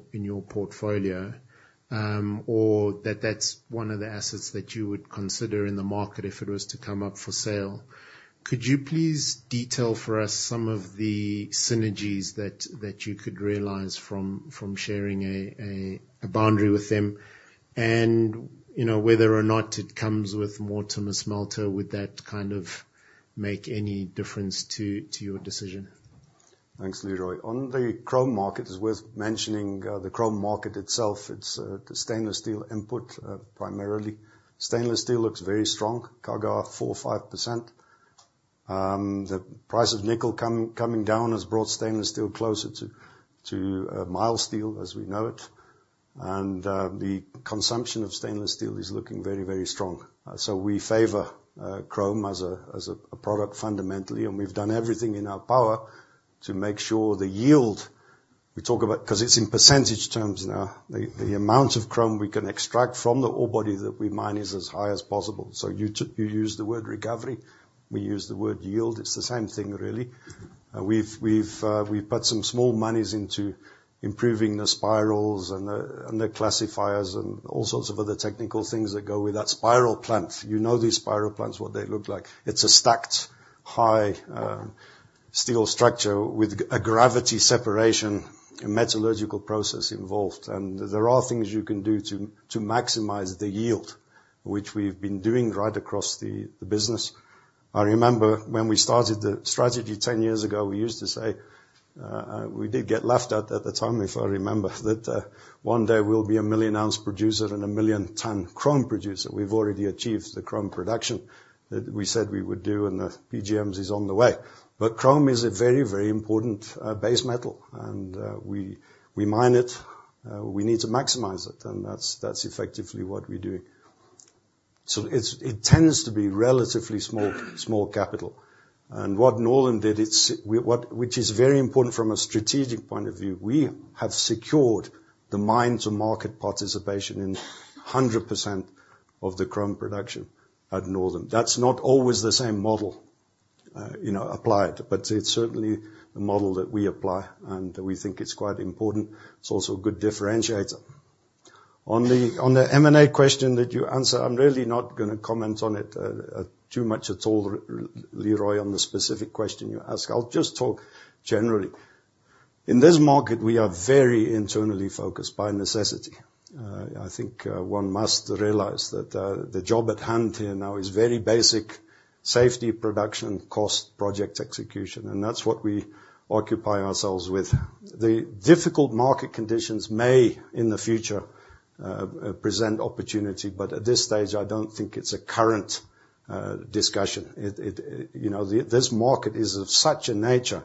portfolio, or that that's one of the assets that you would consider in the market if it was to come up for sale. Could you please detail for us some of the synergies that you could realize from sharing a boundary with them, and whether or not it comes with Mortimer smelter, would that kind of make any difference to your decision? Thanks, Leroy. On the chrome market, it's worth mentioning the chrome market itself. It's the stainless steel input, primarily. Stainless steel looks very strong, CAGR 4%-5%. The price of nickel coming down has brought stainless steel closer to mild steel, as we know it. And the consumption of stainless steel is looking very, very strong. So we favour chrome as a product fundamentally, and we've done everything in our power to make sure the yield we talk about because it's in percentage terms now, the amount of chrome we can extract from the ore body that we mine is as high as possible. So you use the word recovery, we use the word yield. It's the same thing, really. We've put some small monies into improving the spirals and the classifiers and all sorts of other technical things that go with that spiral plant. These spiral plants, what they look like. It's a stacked, high steel structure with a gravity separation, a metallurgical process involved. And there are things you can do to maximize the yield, which we've been doing right across the business. I remember when we started the strategy 10 years ago, we used to say we did get laughed at at the time, if I remember, that one day we'll be a million ounce producer and a million tonne chrome producer. We've already achieved the chrome production that we said we would do, and the PGMs is on the way. But chrome is a very, very important base metal, and we mine it. We need to maximize it, and that's effectively what we're doing. So it tends to be relatively small capital. And what Northam did, which is very important from a strategic point of view, we have secured the mine-to-market participation in 100% of the chrome production at Northam. That's not always the same model applied, but it's certainly the model that we apply, and we think it's quite important. It's also a good differentiator. On the M&A question that you answered, I'm really not going to comment on it too much at all, Leroy, on the specific question you asked. I'll just talk generally. In this market, we are very internally focused by necessity. I think one must realize that the job at hand here now is very basic safety, production, cost, project execution, and that's what we occupy ourselves with. The difficult market conditions may, in the future, present opportunity, but at this stage, I don't think it's a current discussion.this market is of such a nature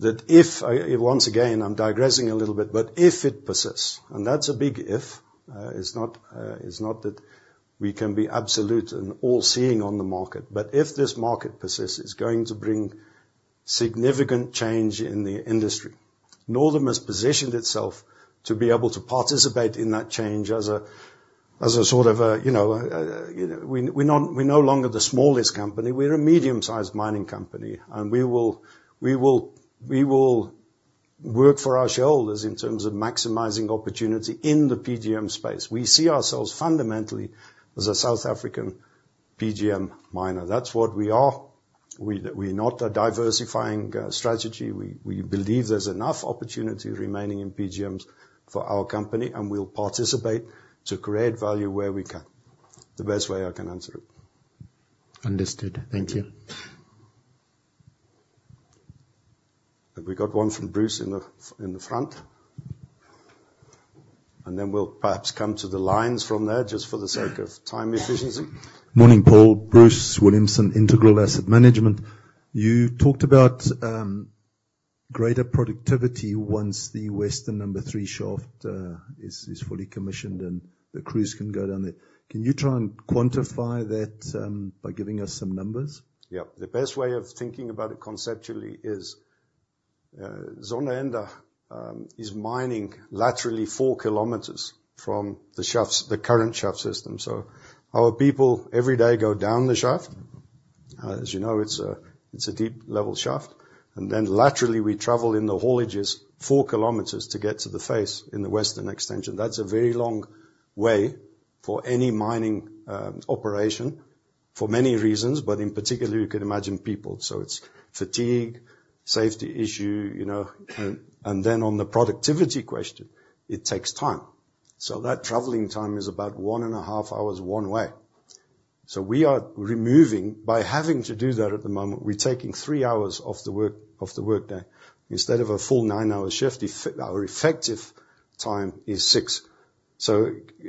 that if, once again, I'm digressing a little bit, but if it persists, and that's a big if, it's not that we can be absolute and all-seeing on the market, but if this market persists, it's going to bring significant change in the industry. Northam has positioned itself to be able to participate in that change as a sort of a, you know, we're not no longer the smallest company. We're a medium-sized mining company, and we will work for our shareholders in terms of maximizing opportunity in the PGM space. We see ourselves fundamentally as a South African PGM miner. That's what we are. We're not a diversifying strategy. We believe there's enough opportunity remaining in PGMs for our company, and we'll participate to create value where we can. The best way I can answer it. Understood. Thank you. We've got one from Bruce in the front. Then we'll perhaps come to the lines from there just for the sake of time efficiency. Morning, Paul. Bruce Williamson, Integral Asset Management. You talked about greater productivity once the Western number three shaft is fully commissioned and the crews can go down there. Can you try and quantify that by giving us some numbers? Yeah. The best way of thinking about it conceptually is Zondereinde is mining laterally 4 kilometers from the current shaft system. So our people every day go down the shaft. As you know, it's a deep-level shaft. And then laterally, we travel in the haulages 4 kilometers to get to the face in the Western extension. That's a very long way for any mining operation for many reasons, but in particular, you could imagine people. So it's fatigue, safety issue, you know. And then on the productivity question, it takes time. So that traveling time is about 1.5 hours one way. So we are removing, by having to do that at the moment, we're taking 3 hours off the workday. Instead of a full nine-hour shift, our effective time is six. So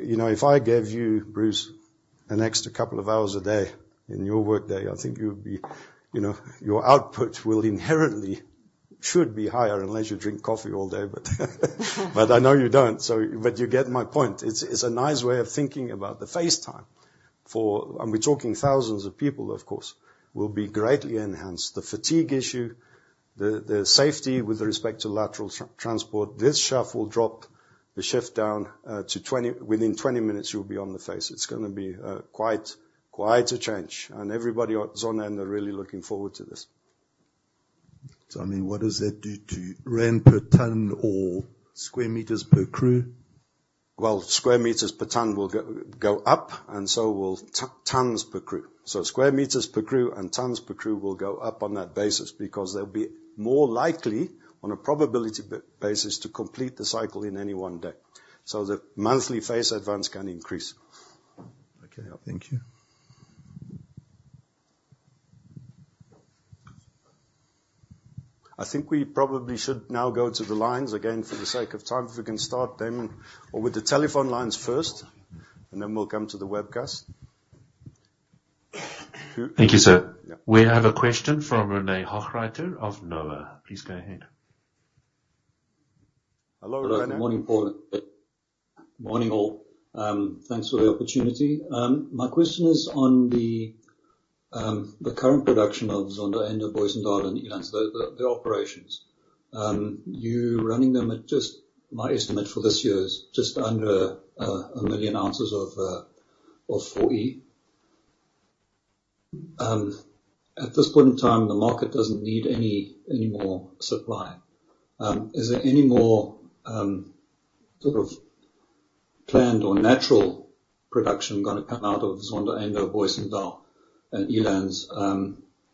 you know if I gave you, Bruce, an extra couple of hours a day in your workday, I think you would be you know your output will inherently should be higher unless you drink coffee all day, but I know you don't. So but you get my point. It's a nice way of thinking about the face time. For we're talking thousands of people, of course, will be greatly enhanced. The fatigue issue, the safety with respect to lateral transport, this shaft will drop the shift down to 20 within 20 minutes, you'll be on the face. It's going to be quite a change. And everybody at Zondereinde are really looking forward to this. So I mean, what does that do to rent per ton or square meters per crew? Well, square meters per ton will go up, and so will tons per crew. So square meters per crew and tons per crew will go up on that basis because they'll be more likely, on a probability basis, to complete the cycle in any one day. So the monthly face advance can increase. Okay, thank you. I think we probably should now go to the lines again for the sake of time. If we can start them or with the telephone lines first, and then we'll come to the webcast. Thank you, sir. We have a question from René Hochreiter of Noah. Please go ahead. Hello, René. Hello, morning Paul. Morning all. Thanks for the opportunity. My question is on the current production of Zondereinde, Booysendal, and Eland, the operations. You're running them at just, my estimate for this year is just under a million ounces of 4E. At this point in time, the market doesn't need any more supply. Is there any more sort of planned or natural production going to come out of Zondereinde, Booysendal, and Eland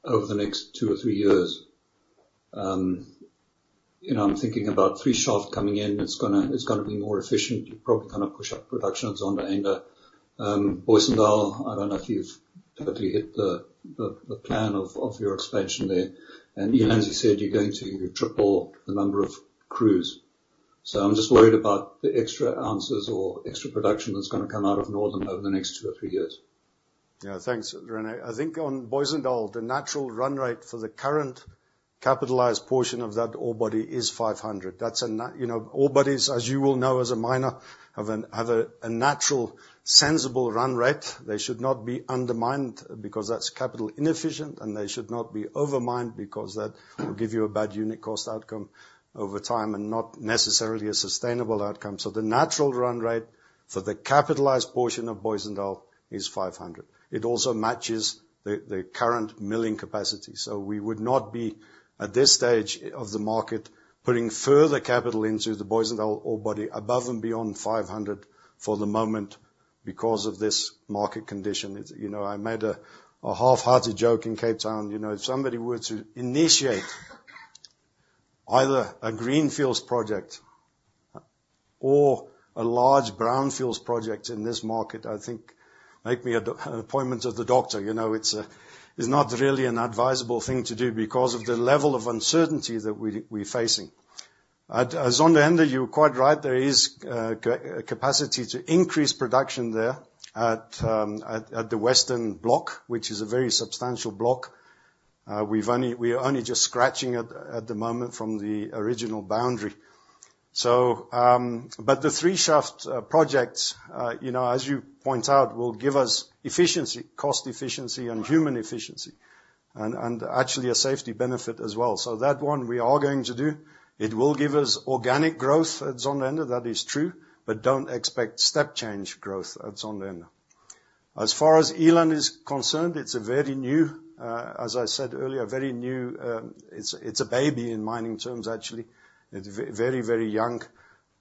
over the next two or three years? I'm thinking about three shafts coming in. It's going to be more efficient. You're probably going to push up production at Zondereinde. Booysendal, I don't know if you've totally hit the plan of your expansion there. And Eland, you said you're going to triple the number of crews. So I'm just worried about the extra ounces or extra production that's going to come out of Northam over the next two or 3 years. Yeah, Thanks, René. I think on Booysendal, the natural run rate for the current capitalized portion of that ore body is 500. That's, ore bodies, as you will know as a miner, have a natural sensible run rate. They should not be undermined because that's capital inefficient, and they should not be overmined because that will give you a bad unit cost outcome over time and not necessarily a sustainable outcome. So the natural run rate for the capitalized portion of Booysendal is 500. It also matches the current milling capacity. So we would not be, at this stage of the market, putting further capital into the Booysendal ore body above and beyond 500 for the moment because of this market condition. I made a half-hearted joke in Cape Town. If somebody were to initiate either a greenfields project or a large brownfields project in this market, I think make me an appointment of the doctor. It's not really an advisable thing to do because of the level of uncertainty that we're facing. At Zondereinde, you're quite right. There is a capacity to increase production there at the Western block, which is a very substantial block. We're only just scratching at the moment from the original boundary. So but the three-shaft projects, as you point out, will give us efficiency, cost efficiency, and human efficiency, and actually a safety benefit as well. So that one we are going to do. It will give us organic growth at Zondereinde. That is true, but don't expect step change growth at Zondereinde. As far as Eland is concerned, it's a very new, as I said earlier, very new; it's a baby in mining terms, actually. It's very, very young.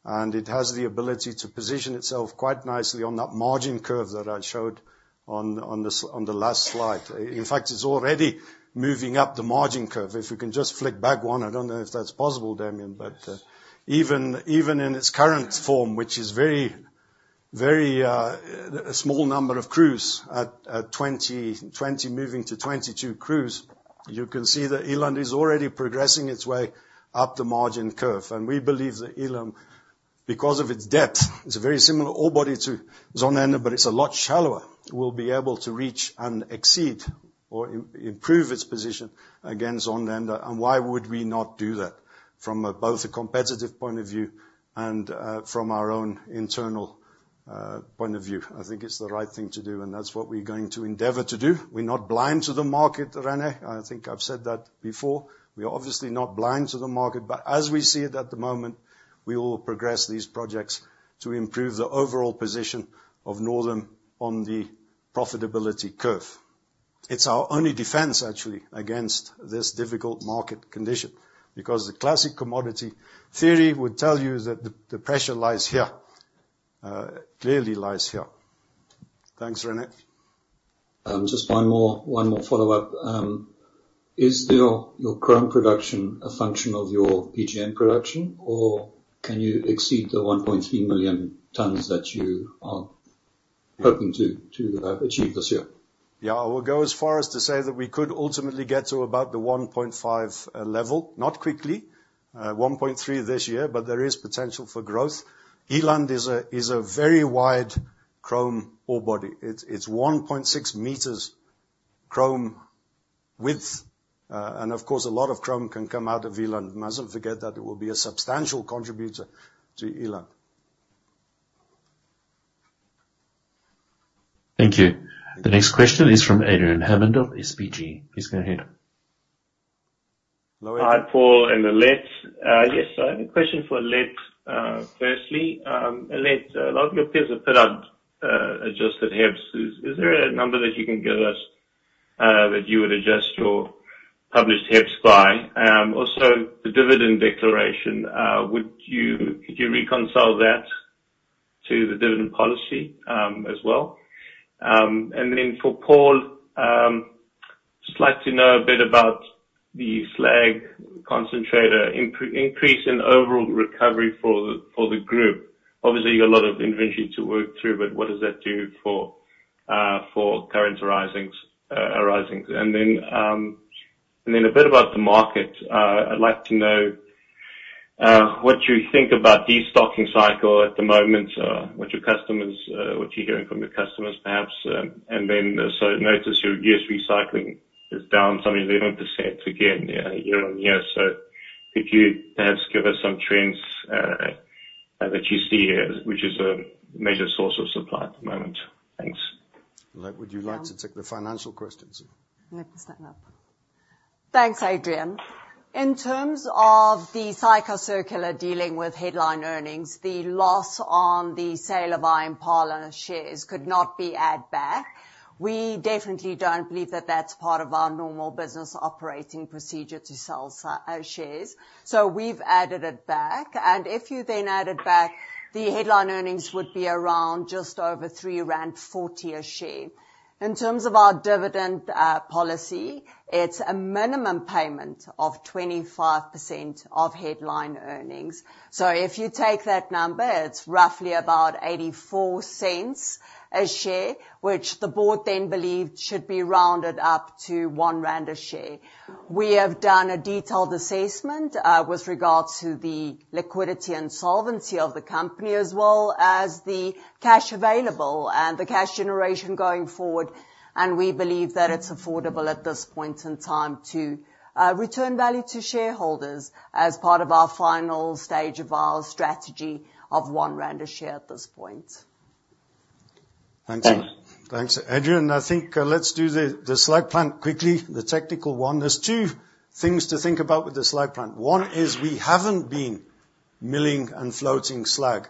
And it has the ability to position itself quite nicely on that margin curve that I showed on the last slide. In fact, it's already moving up the margin curve. If we can just flick back one, I don't know if that's possible, Damian, but even in its current form, which is very, very a small number of crews, at 20 moving to 22 crews, you can see that Eland is already progressing its way up the margin curve. And we believe that Eland, because of its depth, it's a very similar ore body to Zondereinde, but it's a lot shallower, will be able to reach and exceed or improve its position against Zondereinde. And why would we not do that from both a competitive point of view and from our own internal point of view? I think it's the right thing to do, and that's what we're going to endeavor to do. We're not blind to the market, René. I think I've said that before. We are obviously not blind to the market, but as we see it at the moment, we will progress these projects to improve the overall position of Northam on the profitability curve. It's our only defense, actually, against this difficult market condition because the classic commodity theory would tell you that the pressure lies here, clearly lies here. Thanks, René. Just one more follow-up. Is your chrome production a function of your PGM production, or can you exceed the 1.3 million tons that you are hoping to achieve this year? Yeah, I will go as far as to say that we could ultimately get to about the 1.5 level, not quickly. 1.3 this year, but there is potential for growth. Eland is a very wide chrome ore body. It's 1.6 meters chrome width, and of course, a lot of chrome can come out of Eland. Mustn't forget that it will be a substantial contributor to Eland. Thank you. The next question is from Adrian Hammond of SBG. Please go ahead. Hi, Paul, and Alet. Yes, I have a question for Alet. Firstly, Alet, a lot of your figures are put up adjusted HEPS. Is there a number that you can give us that you would adjust your published HEPS by? Also, the dividend declaration, could you relate that to the dividend policy as well? Then for Paul, I'd just like to know a bit about the slag concentrator, increase in overall recovery for the group. Obviously, you've got a lot of inventory to work through, but what does that do for current arisings? And then a bit about the market. I'd like to know what you think about the stocking cycle at the moment, what you're hearing from your customers, perhaps. And then so notice your U.S. recycling is down 71% again, year-on-year. So could you perhaps give us some trends that you see here, which is a major source of supply at the moment? Thanks. Would you like to take the financial questions? Let me stand up. Thanks, Adrian. In terms of the cycle circular dealing with headline earnings, the loss on the sale of Iron Parlour shares could not be added back. We definitely don't believe that that's part of our normal business operating procedure to sell shares. So we've added it back. And if you then add it back, the headline earnings would be around just over 3.40 rand a share. In terms of our dividend policy, it's a minimum payment of 25% of headline earnings. So if you take that number, it's roughly about 0.84 a share, which the board then believed should be rounded up to 1 rand a share. We have done a detailed assessment with regards to the liquidity and solvency of the company as well as the cash available and the cash generation going forward. And we believe that it's affordable at this point in time to return value to shareholders as part of our final stage of our strategy of 1 a share at this point. Thanks. Thanks, Adrian. I think let's do the slag plant quickly, the technical one. There's two things to think about with the slag plant. One is we haven't been milling and floating slag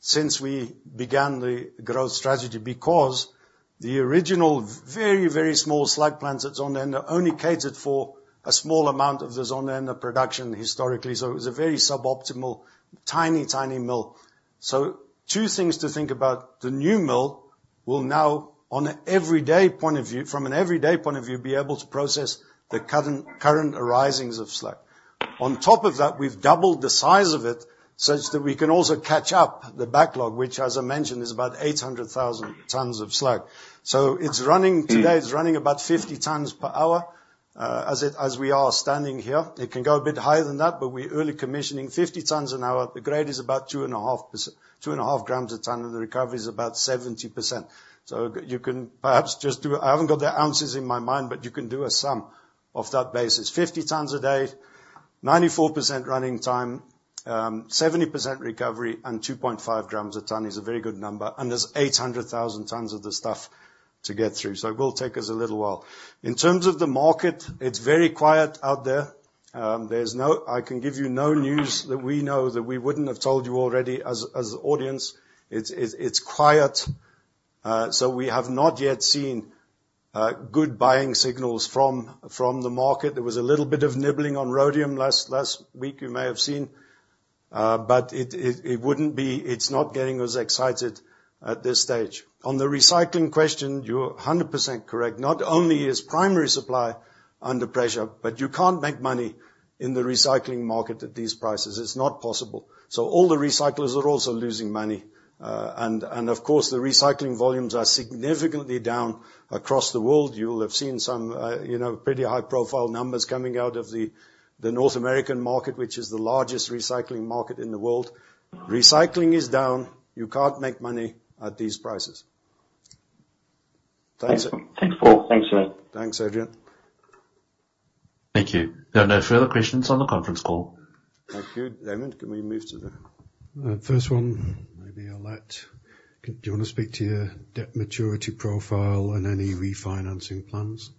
since we began the growth strategy because the original very, very small slag plant at Zondereinde only catered for a small amount of the Zondereinde production historically. So it was a very suboptimal, tiny, tiny mill. So two things to think about. The new mill will now, on an everyday point of view, from an everyday point of view, be able to process the current arisings of slag. On top of that, we've doubled the size of it such that we can also catch up the backlog, which, as I mentioned, is about 800,000 tonnes of slag. So it's running today, it's running about 50 tonnes per hour as we are standing here. It can go a bit higher than that, but we're early commissioning 50 tons an hour. The grade is about 2.5 grams a ton, and the recovery is about 70%. So you can perhaps just do. I haven't got the ounces in my mind, but you can do a sum of that basis. 50 tons a day, 94% running time, 70% recovery, and 2.5 grams a ton is a very good number. And there's 800,000 tons of the stuff to get through. So it will take us a little while. In terms of the market, it's very quiet out there. There's no. I can give you no news that we know that we wouldn't have told you already as the audience. It's quiet. So we have not yet seen good buying signals from the market. There was a little bit of nibbling on rhodium last week, you may have seen. But it wouldn't be. It's not getting as excited at this stage. On the recycling question, you're 100% correct. Not only is primary supply under pressure, but you can't make money in the recycling market at these prices. It's not possible. So all the recyclers are also losing money. And of course, the recycling volumes are significantly down across the world. You will have seen some pretty high-profile numbers coming out of the North American market, which is the largest recycling market in the world. Recycling is down. You can't make money at these prices. Thanks. Thanks, Paul. Thanks, Adrian. Thank you. There are no further questions on the conference call. Thank you. Damian, can we move to the first one? Maybe Alet. Do you want to speak to your debt maturity profile and any refinancing plans?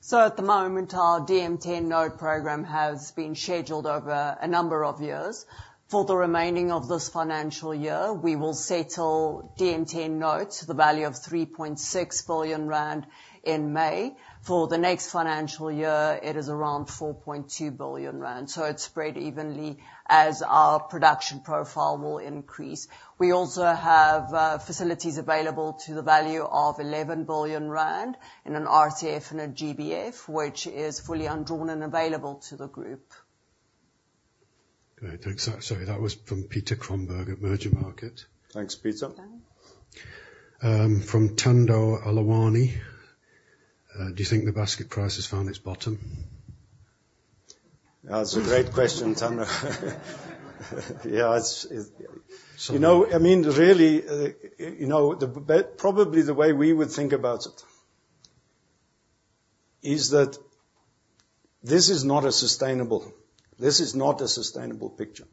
So at the moment, our DMTN note programme has been scheduled over a number of years. For the remaining of this financial year, we will settle DMTN note to the value of 3.6 billion rand in May. For the next financial year, it is around 4.2 billion rand. So it's spread evenly as our production profile will increase. We also have facilities available to the value of 11 billion rand in an RCF and a GBF, which is fully undrawn and available to the group. Great. Thanks. Sorry, that was from Patrick at Mergermarket. Thanks, Peter. From Thando Sobhani, do you think the basket price has found its bottom? That's a great question, Thando. Yeah, it's you know, I mean, really, you know probably the way we would think about it is that this is not a sustainable this is not a sustainable picture.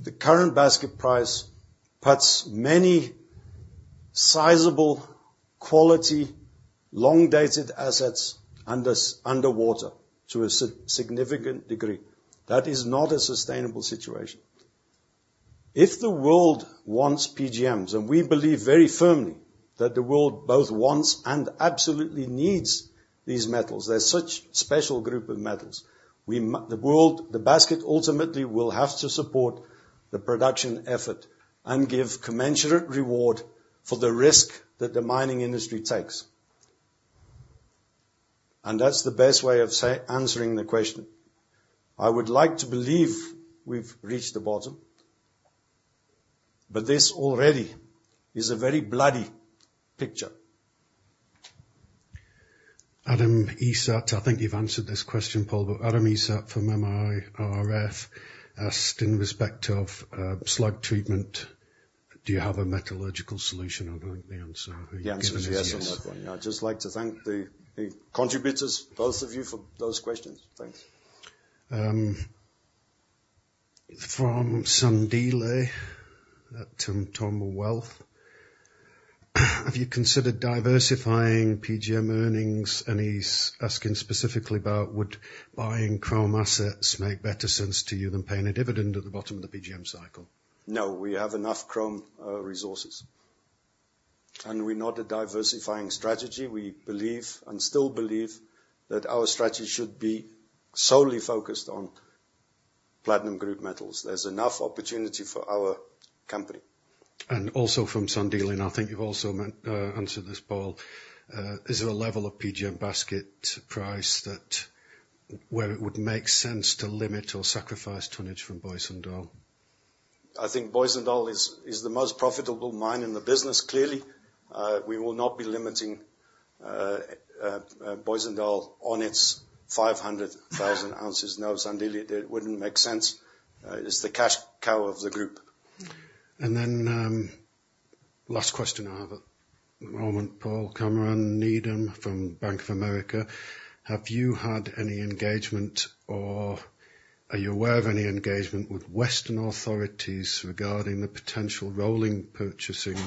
The current basket price puts many sizable, quality, long-dated assets underwater to a significant degree. That is not a sustainable situation. If the world wants PGMs, and we believe very firmly that the world both wants and absolutely needs these metals, they're such a special group of metals, we the world the basket ultimately will have to support the production effort and give commensurate reward for the risk that the mining industry takes. That's the best way of answering the question. I would like to believe we've reached the bottom, but this already is a very bloody picture. Adam Esat, I think you've answered this question, Paul, but Adam Esat from MIRF asked in respect of slag treatment, do you have a metallurgical solution? I don't think the answer who gave the answer was yes on that one. Yeah, I'd just like to thank the contributors, both of you, for those questions. Thanks. From Sandile at Tom Wealth, have you considered diversifying PGM earnings? And he's asking specifically about would buying chrome assets make better sense to you than paying a dividend at the bottom of the PGM cycle? No, we have enough chrome resources. And we're not a diversifying strategy. We believe and still believe that our strategy should be solely focused on Platinum Group Metals. There's enough opportunity for our company. And also from Sandile, and I think you've also answered this, Paul, is there a level of PGM basket price that where it would make sense to limit or sacrifice tonnage from Booysendal? I think Booysendal is the most profitable mine in the business, clearly. We will not be limiting Booysendal on its 500,000 ounces. No, Sandeela, it wouldn't make sense. It's the cash cow of the group. And then last question I have at the moment, Cameron Needham from Bank of America, have you had any engagement or are you aware of any engagement with Western authorities regarding the potential rolling purchasing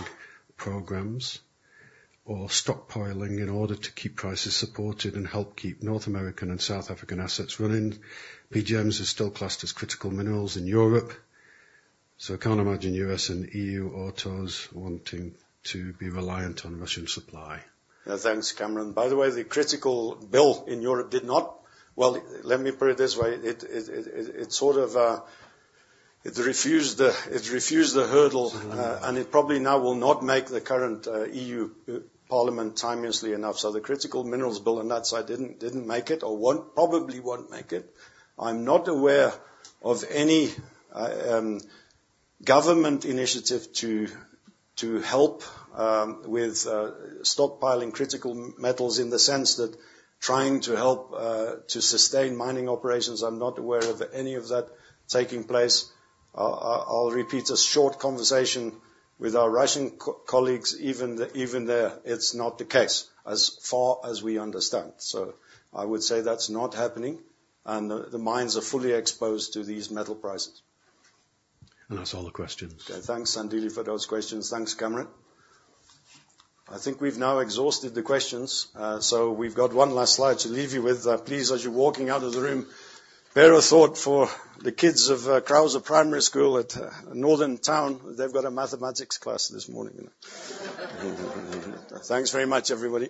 programmes or stockpiling in order to keep prices supported and help keep North American and South African assets running? PGMs are still classed as critical minerals in Europe, so I can't imagine U.S. and EU autos wanting to be reliant on Russian supply. Thanks, Cameron. By the way, the critical bill in Europe did not well, let me put it this way. It sort of refused the hurdle, and it probably now will not make the current EU Parliament timely enough. So the critical minerals bill on that side didn't make it or won't probably make it. I'm not aware of any government initiative to help with stockpiling critical metals in the sense that trying to help to sustain mining operations. I'm not aware of any of that taking place. I'll repeat, a short conversation with our Russian colleagues; even there, it's not the case, as far as we understand. So I would say that's not happening, and the mines are fully exposed to these metal prices. And that's all the questions. Okay, thanks, Sandeela, for those questions. Thanks, Cameron. I think we've now exhausted the questions, so we've got one last slide to leave you with. Please, as you're walking out of the room, bear a thought for the kids of Krauser Primary School at Northam Town. They've got a mathematics class this morning. Thanks very much, everybody.